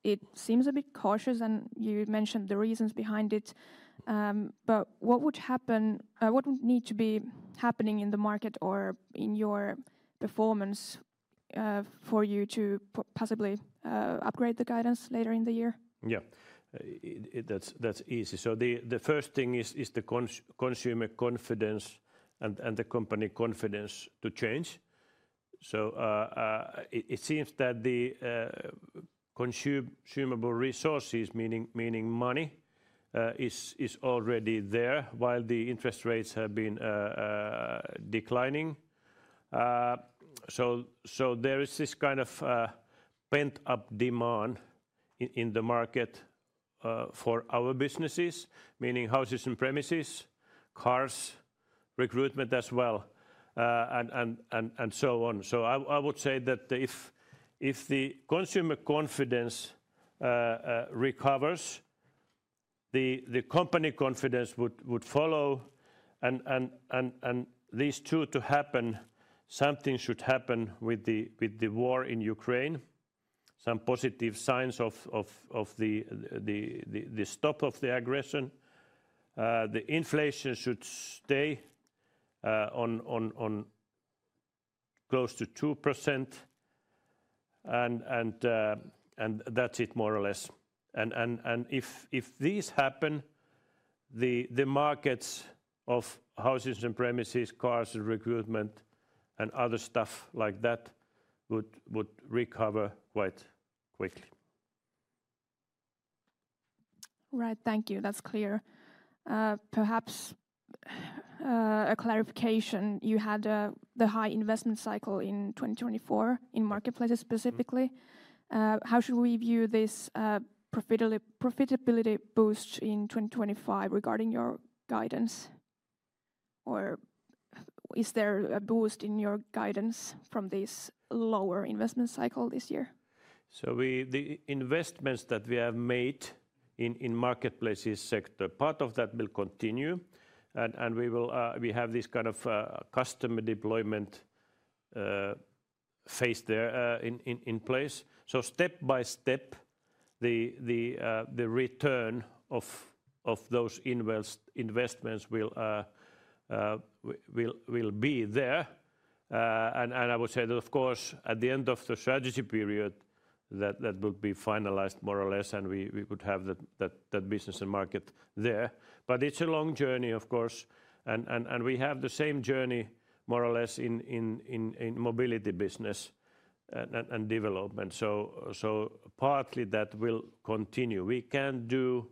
it seems a bit cautious, and you mentioned the reasons behind it. But what would happen, what would need to be happening in the market or in your performance for you to possibly upgrade the guidance later in the year? Yeah, that's easy. So the first thing is the consumer confidence and the company confidence to change. So it seems that the consumable resources, meaning money, is already there while the interest rates have been declining. So there is this kind of pent-up demand in the market for our businesses, meaning houses and premises, cars, recruitment as well, and so on. I would say that if the consumer confidence recovers, the company confidence would follow. For these two to happen, something should happen with the war in Ukraine, some positive signs of the stop of the aggression. The inflation should stay close to 2%, and that's it more or less. If these happen, the markets of houses and premises, cars and recruitment, and other stuff like that would recover quite quickly. Right, thank you. That's clear. Perhaps a clarification. You had the high investment cycle in 2024 in marketplaces specifically. How should we view this profitability boost in 2025 regarding your guidance? Or is there a boost in your guidance from this lower investment cycle this year? The investments that we have made in marketplaces sector, part of that will continue. We have this kind of customer deployment phase there in place. So step by step, the return of those investments will be there. And I would say that, of course, at the end of the strategy period, that will be finalized more or less, and we would have that business and market there. But it's a long journey, of course. And we have the same journey more or less in mobility business and development. So partly that will continue. We can't do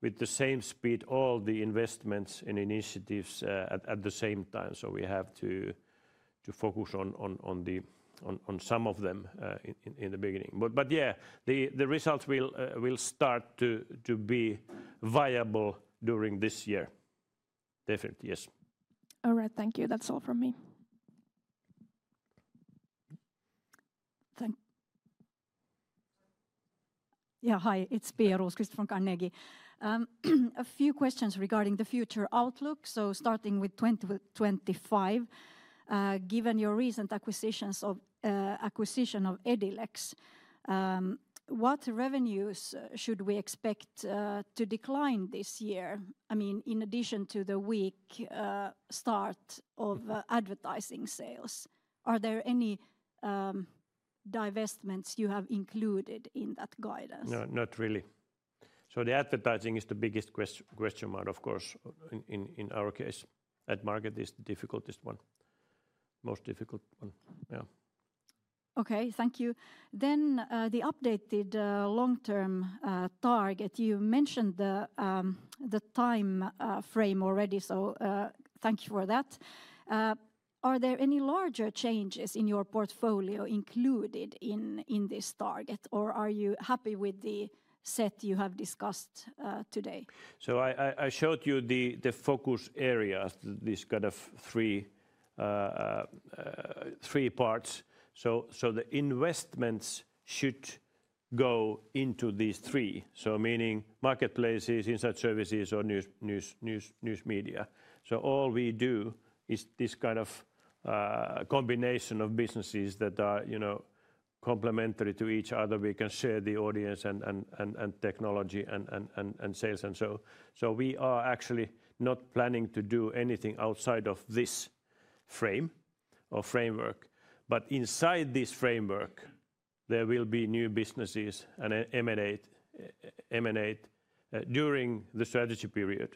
with the same speed all the investments and initiatives at the same time. So we have to focus on some of them in the beginning. But yeah, the results will start to be viable during this year. Definitely, yes. All right, thank you. That's all from me. Thank you. Yeah, hi, it's Pia Rosqvist from Carnegie. A few questions regarding the future outlook. So starting with 2025, given your recent acquisition of Edilex, what revenues should we expect to decline this year? I mean, in addition to the weak start of advertising sales, are there any divestments you have included in that guidance? No, not really. So the advertising is the biggest question mark, of course, in our case. That market is the difficultest one. Most difficult one, yeah. Okay, thank you. Then the updated long-term target, you mentioned the time frame already, so thank you for that. Are there any larger changes in your portfolio included in this target, or are you happy with the set you have discussed today? So I showed you the focus areas, these kind of three parts. So the investments should go into these three, so meaning marketplaces, career services, or news media. So all we do is this kind of combination of businesses that are complementary to each other. We can share the audience and technology and sales. And so we are actually not planning to do anything outside of this frame or framework. But inside this framework, there will be new businesses and M&A during the strategy period,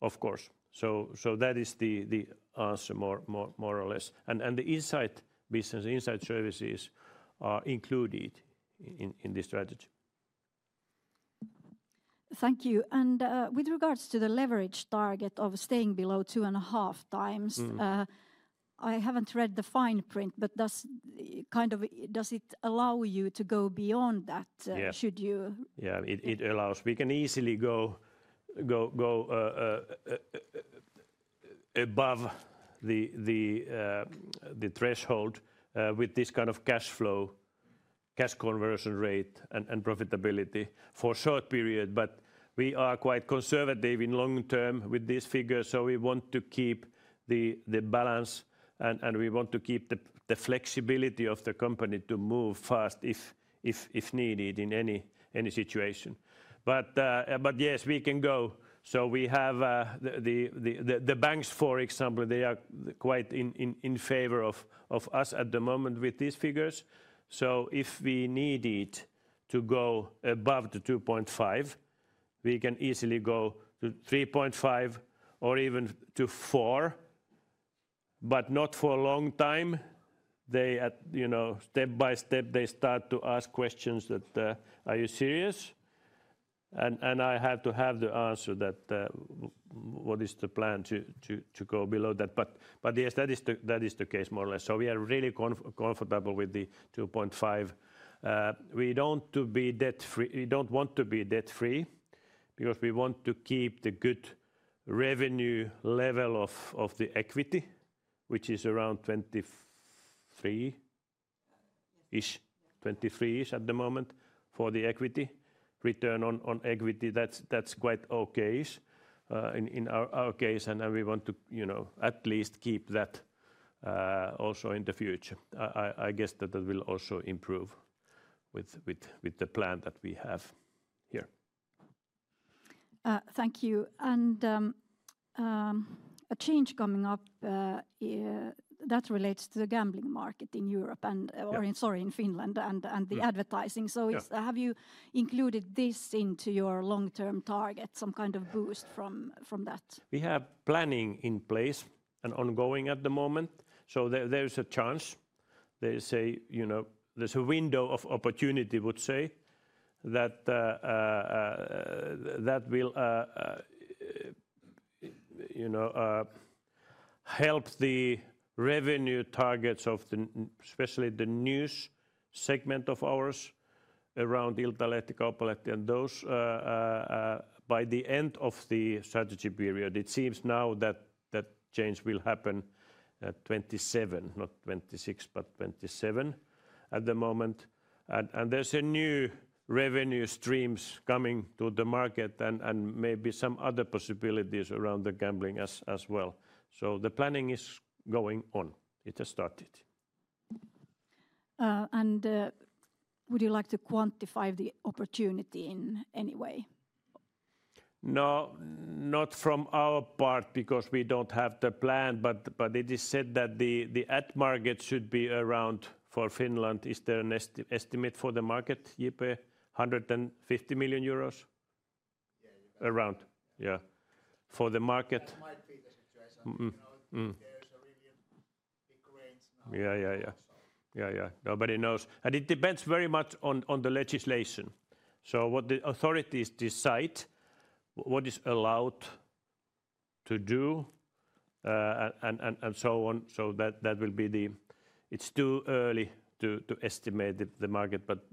of course. So that is the answer more or less. And the inside business, inside services are included in this strategy. Thank you. And with regards to the leverage target of staying below two and a half times, I haven't read the fine print, but does it allow you to go beyond that? Should you? Yeah, it allows. We can easily go above the threshold with this kind of cash flow, cash conversion rate, and profitability for a short period. But we are quite conservative in long term with this figure, so we want to keep the balance, and we want to keep the flexibility of the company to move fast if needed in any situation. But yes, we can go. So we have the banks, for example. They are quite in favor of us at the moment with these figures. So if we need it to go above the 2.5, we can easily go to 3.5 or even to 4, but not for a long time. Step by step, they start to ask questions that, "Are you serious?" And I have to have the answer that, "What is the plan to go below that?" But yes, that is the case more or less. So we are really comfortable with the 2.5. We don't want to be debt-free because we want to keep the good return level of the equity, which is around 23-ish at the moment for the equity. Return on equity, that's quite okay in our case, and we want to at least keep that also in the future. I guess that will also improve with the plan that we have here. Thank you. And a change coming up that relates to the gambling market in Europe and, sorry, in Finland and the advertising. So have you included this into your long-term target, some kind of boost from that? We have planning in place and ongoing at the moment. So there is a chance. They say there's a window of opportunity, I would say, that will help the revenue targets of the, especially the news segment of ours around Iltalehti, Kauppalehti and those by the end of the strategy period. It seems now that change will happen at 27, not 26, but 27 at the moment. And there's a new revenue stream coming to the market and maybe some other possibilities around the gambling as well. So the planning is going on. It has started. And would you like to quantify the opportunity in any way? No, not from our part because we don't have the plan, but it is said that the ad market should be around for Finland. Is there an estimate for the market, Jipe, 150 million euros? Around, yeah. For the market. That might be the situation. There's a really big range now. Nobody knows. And it depends very much on the legislation. So what the authorities decide, what is allowed to do and so on. So that will be the. It's too early to estimate the market, but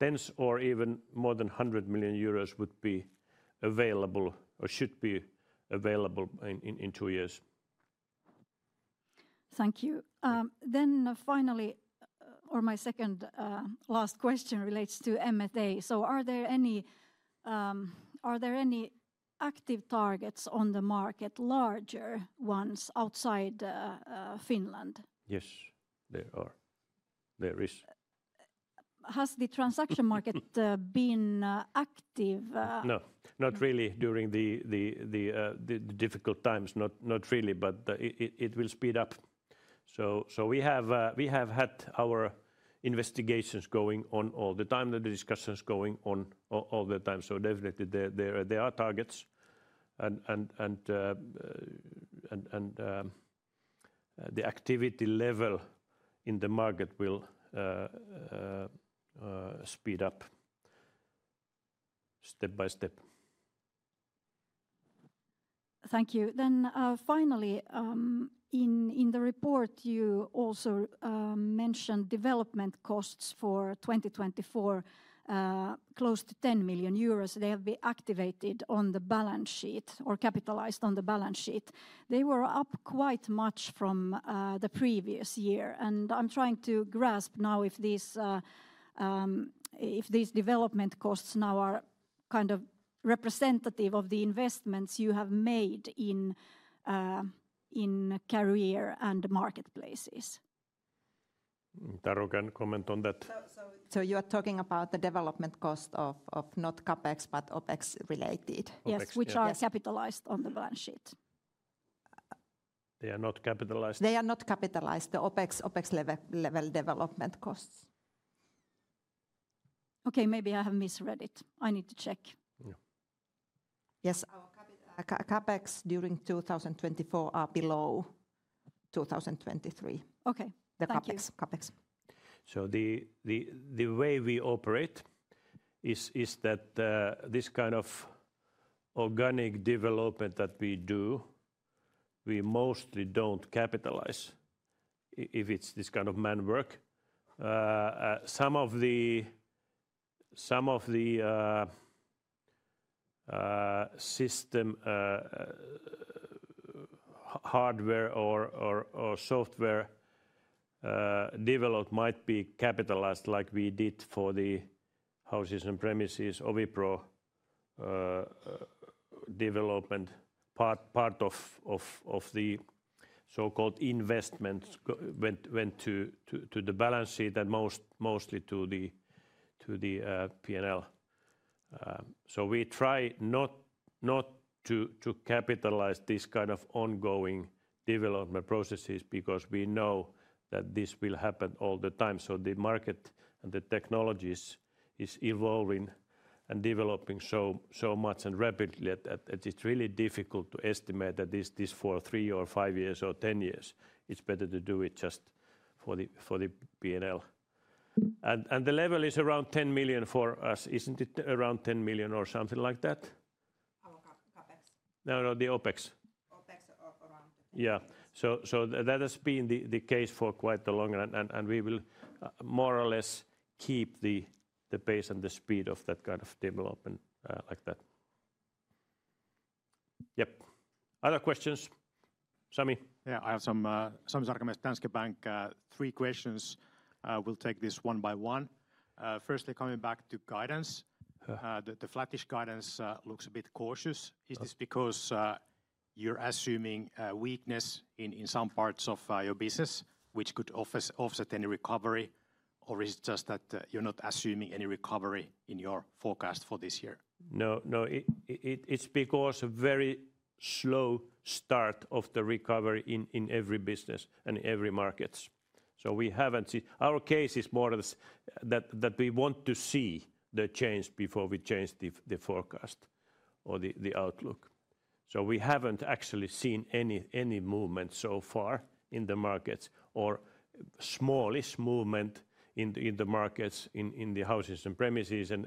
tens or even more than 100 million euros would be available or should be available in two years. Thank you. Then finally, or my second last question relates to M&A. So are there any active targets on the market, larger ones outside Finland? Yes, there are. There is. Has the transaction market been active? No, not really during the difficult times. Not really, but it will speed up. So we have had our investigations going on all the time, the discussions going on all the time. So definitely there are targets. And the activity level in the market will speed up step by step. Thank you. Then finally, in the report, you also mentioned development costs for 2024, close to 10 million euros. They have been activated on the balance sheet or capitalized on the balance sheet. They were up quite much from the previous year. And I'm trying to grasp now if these development costs now are kind of representative of the investments you have made in career and marketplaces. Taru, can you comment on that? So you are talking about the development cost of not CapEx, but OpEx-related. Yes, which are capitalized on the balance sheet. They are not capitalized. They are not capitalized, the OpEx-level development costs. Okay, maybe I have misread it. I need to check. Yes. Our CapEx during 2024 are below 2023. Okay. The CapEx. So the way we operate is that this kind of organic development that we do, we mostly don't capitalize if it's this kind of man work. Some of the system hardware or software developed might be capitalized like we did for the houses and premises, OviPro development. Part of the so-called investments went to the balance sheet and mostly to the P&L. So we try not to capitalize this kind of ongoing development processes because we know that this will happen all the time. So the market and the technologies is evolving and developing so much and rapidly that it's really difficult to estimate that this for three or five years or ten years. It's better to do it just for the P&L. And the level is around 10 million for us, isn't it around 10 million or something like that? How about CapEx? No, no, the OpEx. OpEx around EUR 10 million. Yeah. So that has been the case for quite a long time. And we will more or less keep the pace and the speed of that kind of development like that. Yep. Other questions? Sami. Yeah, I have some Sami Sarkamies, Danske Bank. Three questions. We'll take this one by one. Firstly, coming back to guidance. The flattish guidance looks a bit cautious. Is this because you're assuming weakness in some parts of your business, which could offset any recovery, or is it just that you're not assuming any recovery in your forecast for this year? No, no. It's because a very slow start of the recovery in every business and every market. So we haven't seen. Our case is more or less that we want to see the change before we change the forecast or the outlook. So we haven't actually seen any movement so far in the markets or smallish movement in the markets in the houses and premises and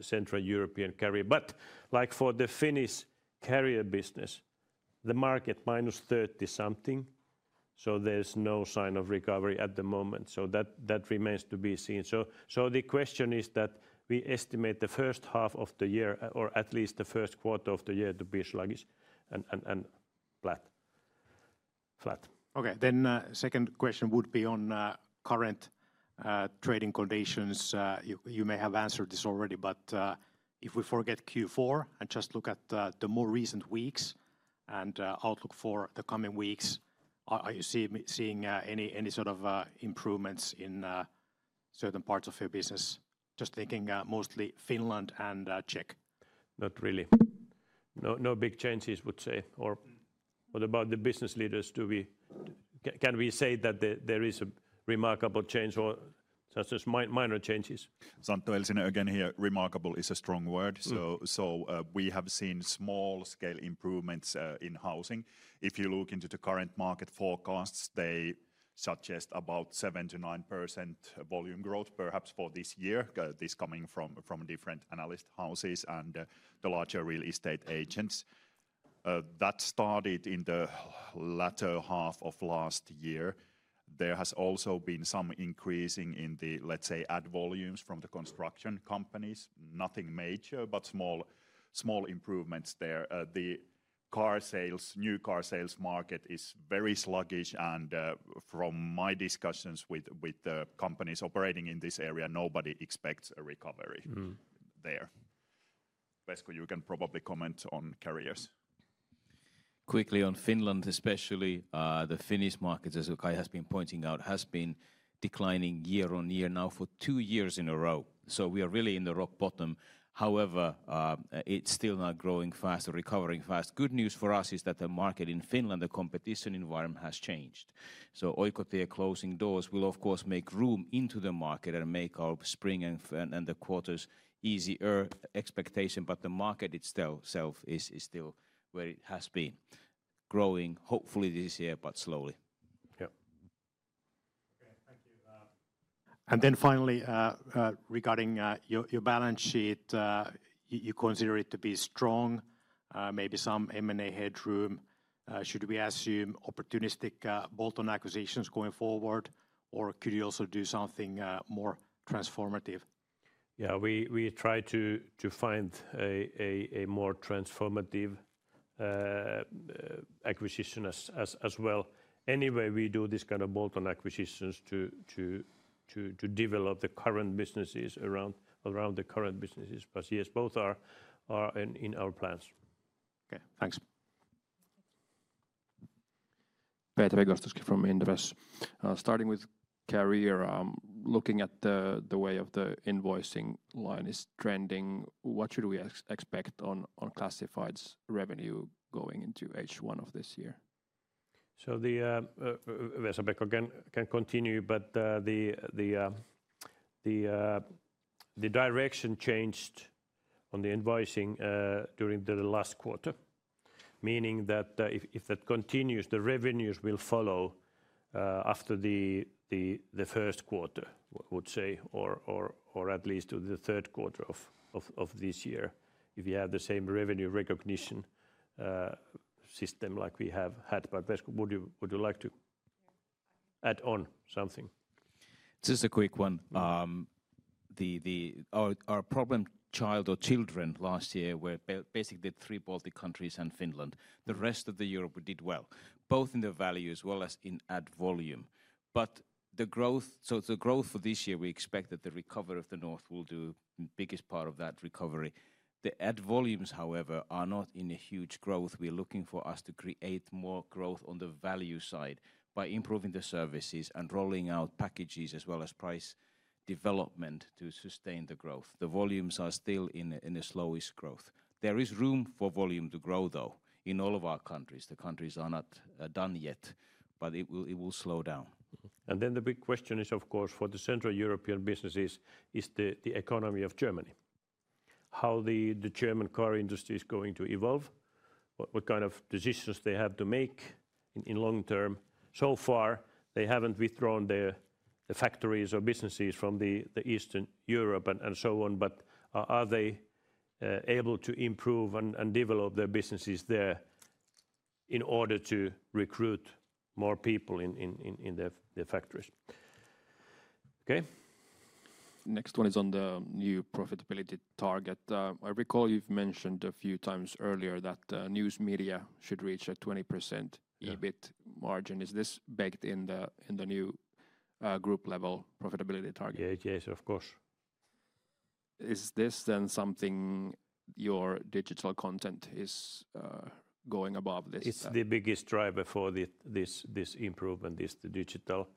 Central Eastern European Career. But like for the Finnish Career business, the market minus 30 something. So there's no sign of recovery at the moment. So that remains to be seen. So the question is that we estimate the first half of the year or at least the first quarter of the year to be sluggish and flat. Flat. Okay. Then second question would be on current trading conditions. You may have answered this already, but if we forget Q4 and just look at the more recent weeks and outlook for the coming weeks, are you seeing any sort of improvements in certain parts of your business? Just thinking mostly Finland and Czech. Not really. No big changes, would say. Or what about the business leaders? Can we say that there is a remarkable change or just minor changes? Santtu Elsinen, again here. Remarkable is a strong word. So we have seen small scale improvements in housing. If you look into the current market forecasts, they suggest about 7-9% volume growth, perhaps for this year. This is coming from different analyst houses and the larger real estate agents. That started in the latter half of last year. There has also been some increasing in the, let's say, ad volumes from the construction companies. Nothing major, but small improvements there. The new car sales market is very sluggish, and from my discussions with the companies operating in this area, nobody expects a recovery there. Vesa, you can probably comment on careers. Quickly on Finland, especially the Finnish market, as Kai has been pointing out, has been declining year on year now for two years in a row. So we are really in the rock bottom. However, it's still not growing fast or recovering fast. Good news for us is that the market in Finland, the competition environment has changed. So Oikotie closing doors will, of course, make room into the market and make our spring and the quarters easier expectation. But the market itself is still where it has been, growing hopefully this year, but slowly. Yeah. Okay, thank you. And then finally, regarding your balance sheet, you consider it to be strong, maybe some M&A headroom. Should we assume opportunistic bolt-on acquisitions going forward, or could you also do something more transformative? Yeah, we try to find a more transformative acquisition as well. Anyway, we do this kind of bolt-on acquisitions to develop the current businesses around the current businesses. But yes, both are in our plans. Okay, thanks. Petri Gostowski from Inderes. Starting with Career, looking at the way of the invoicing line is trending, what should we expect on classifieds revenue going into H1 of this year? Vesa-Pekka Kirsi can continue, but the direction changed on the invoicing during the last quarter, meaning that if that continues, the revenues will follow after the first quarter, I would say, or at least to the third quarter of this year. If you have the same revenue recognition system like we have had. But Vesa-Pekka Kirsi, would you like to add on something? Just a quick one. Our problem child or children last year were basically three Baltic countries and Finland. The rest of Europe did well, both in the value as well as in ad volume. The growth, so the growth for this year, we expect that the recovery of the Nordics will do the biggest part of that recovery. The ad volumes, however, are not in a huge growth. We're looking for us to create more growth on the value side by improving the services and rolling out packages as well as price development to sustain the growth. The volumes are still in the slowest growth. There is room for volume to grow, though, in all of our countries. The countries are not done yet, but it will slow down. And then the big question is, of course, for the Central European businesses: is the economy of Germany? How the German car industry is going to evolve? What kind of decisions they have to make in long term? So far, they haven't withdrawn their factories or businesses from the Eastern Europe and so on, but are they able to improve and develop their businesses there in order to recruit more people in their factories? Okay. Next one is on the new profitability target. I recall you've mentioned a few times earlier that news media should reach a 20% EBIT margin. Is this baked in the new group level profitability target? Yes, yes, of course. Is this then something your digital content is going above this? It's the biggest driver for this improvement, is the digital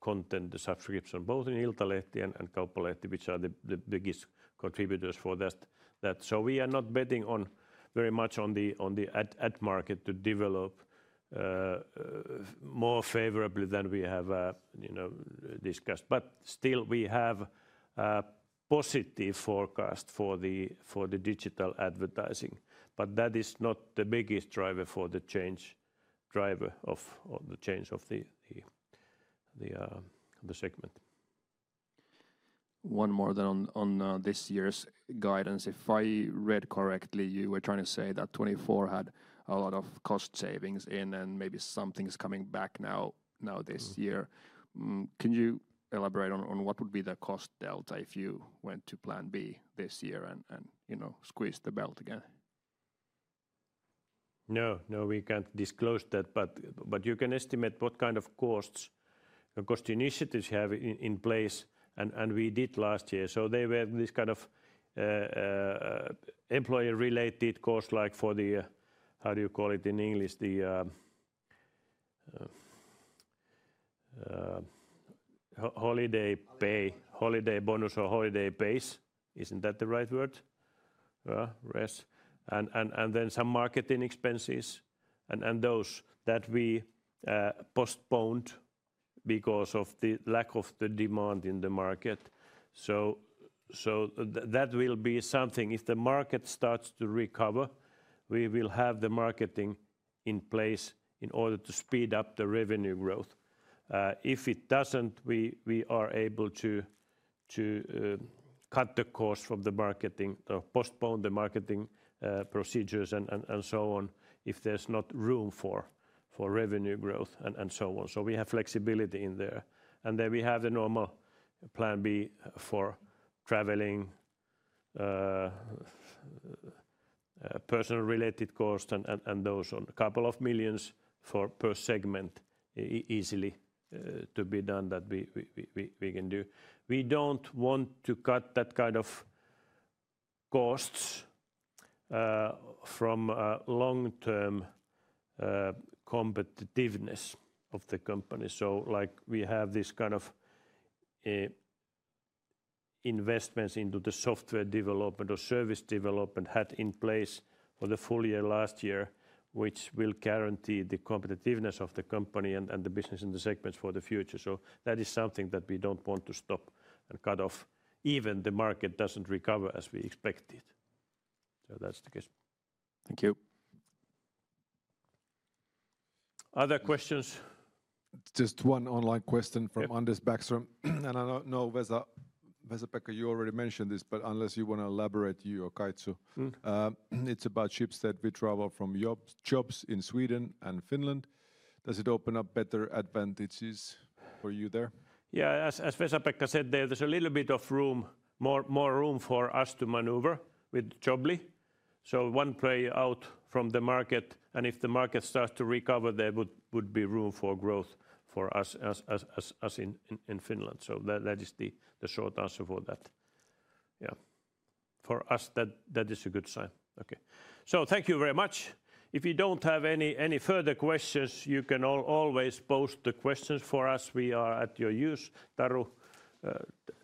content, the subscription, both in Iltalehti and Kauppalehti, which are the biggest contributors for that. So we are not betting very much on the ad market to develop more favorably than we have discussed. But still, we have a positive forecast for the digital advertising. But that is not the biggest driver for the change of the segment. One more then on this year's guidance. If I read correctly, you were trying to say that 2024 had a lot of cost savings in and maybe something's coming back now this year. Can you elaborate on what would be the cost delta if you went to plan B this year and squeezed the belt again? No, no, we can't disclose that, but you can estimate what kind of costs and cost initiatives you have in place, and we did last year, so they were this kind of employer-related cost, like for the, how do you call it in English, the holiday pay, holiday bonus or holiday pays, isn't that the right word? Yes. And then some marketing expenses and those that we postponed because of the lack of the demand in the market, so that will be something. If the market starts to recover, we will have the marketing in place in order to speed up the revenue growth. If it doesn't, we are able to cut the cost from the marketing or postpone the marketing procedures and so on if there's not room for revenue growth and so on. So we have flexibility in there. And then we have the normal Plan B for traveling, personal-related costs and those on a couple of millions per segment easily to be done that we can do. We don't want to cut that kind of costs from long-term competitiveness of the company. So like we have this kind of investments into the software development or service development had in place for the full year last year, which will guarantee the competitiveness of the company and the business and the segments for the future. So that is something that we don't want to stop and cut off even if the market doesn't recover as we expected. So that's the case. Thank you. Other questions? Just one online question from Anders Bäckström, and I don't know, Vesa-Pekka Kirsi, you already mentioned this, but unless you want to elaborate, you or Kaitsu, it's about Schibsted from Jobs in Sweden and Finland. Does it open up better advantages for you there? Yeah, as Vesa-Pekka Kirsi said, there's a little bit of room, more room for us to maneuver with Jobly. So one player out from the market, and if the market starts to recover, there would be room for growth for us as in Finland. So that is the short answer for that. Yeah. For us, that is a good sign. Okay, so thank you very much. If you don't have any further questions, you can always post the questions for us. We are at your disposal, Taru,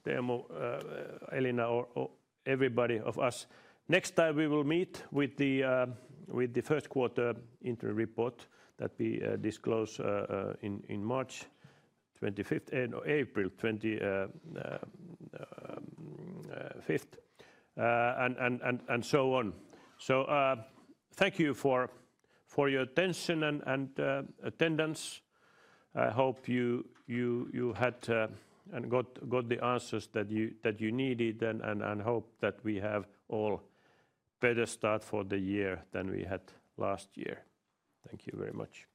Teemu, Elina, or everybody of us. Next time, we will meet with the first quarter interim report that we disclose in March 25th, April 25th, and so on. So thank you for your attention and attendance. I hope you had and got the answers that you needed, and I hope that we have all a better start for the year than we had last year. Thank you very much.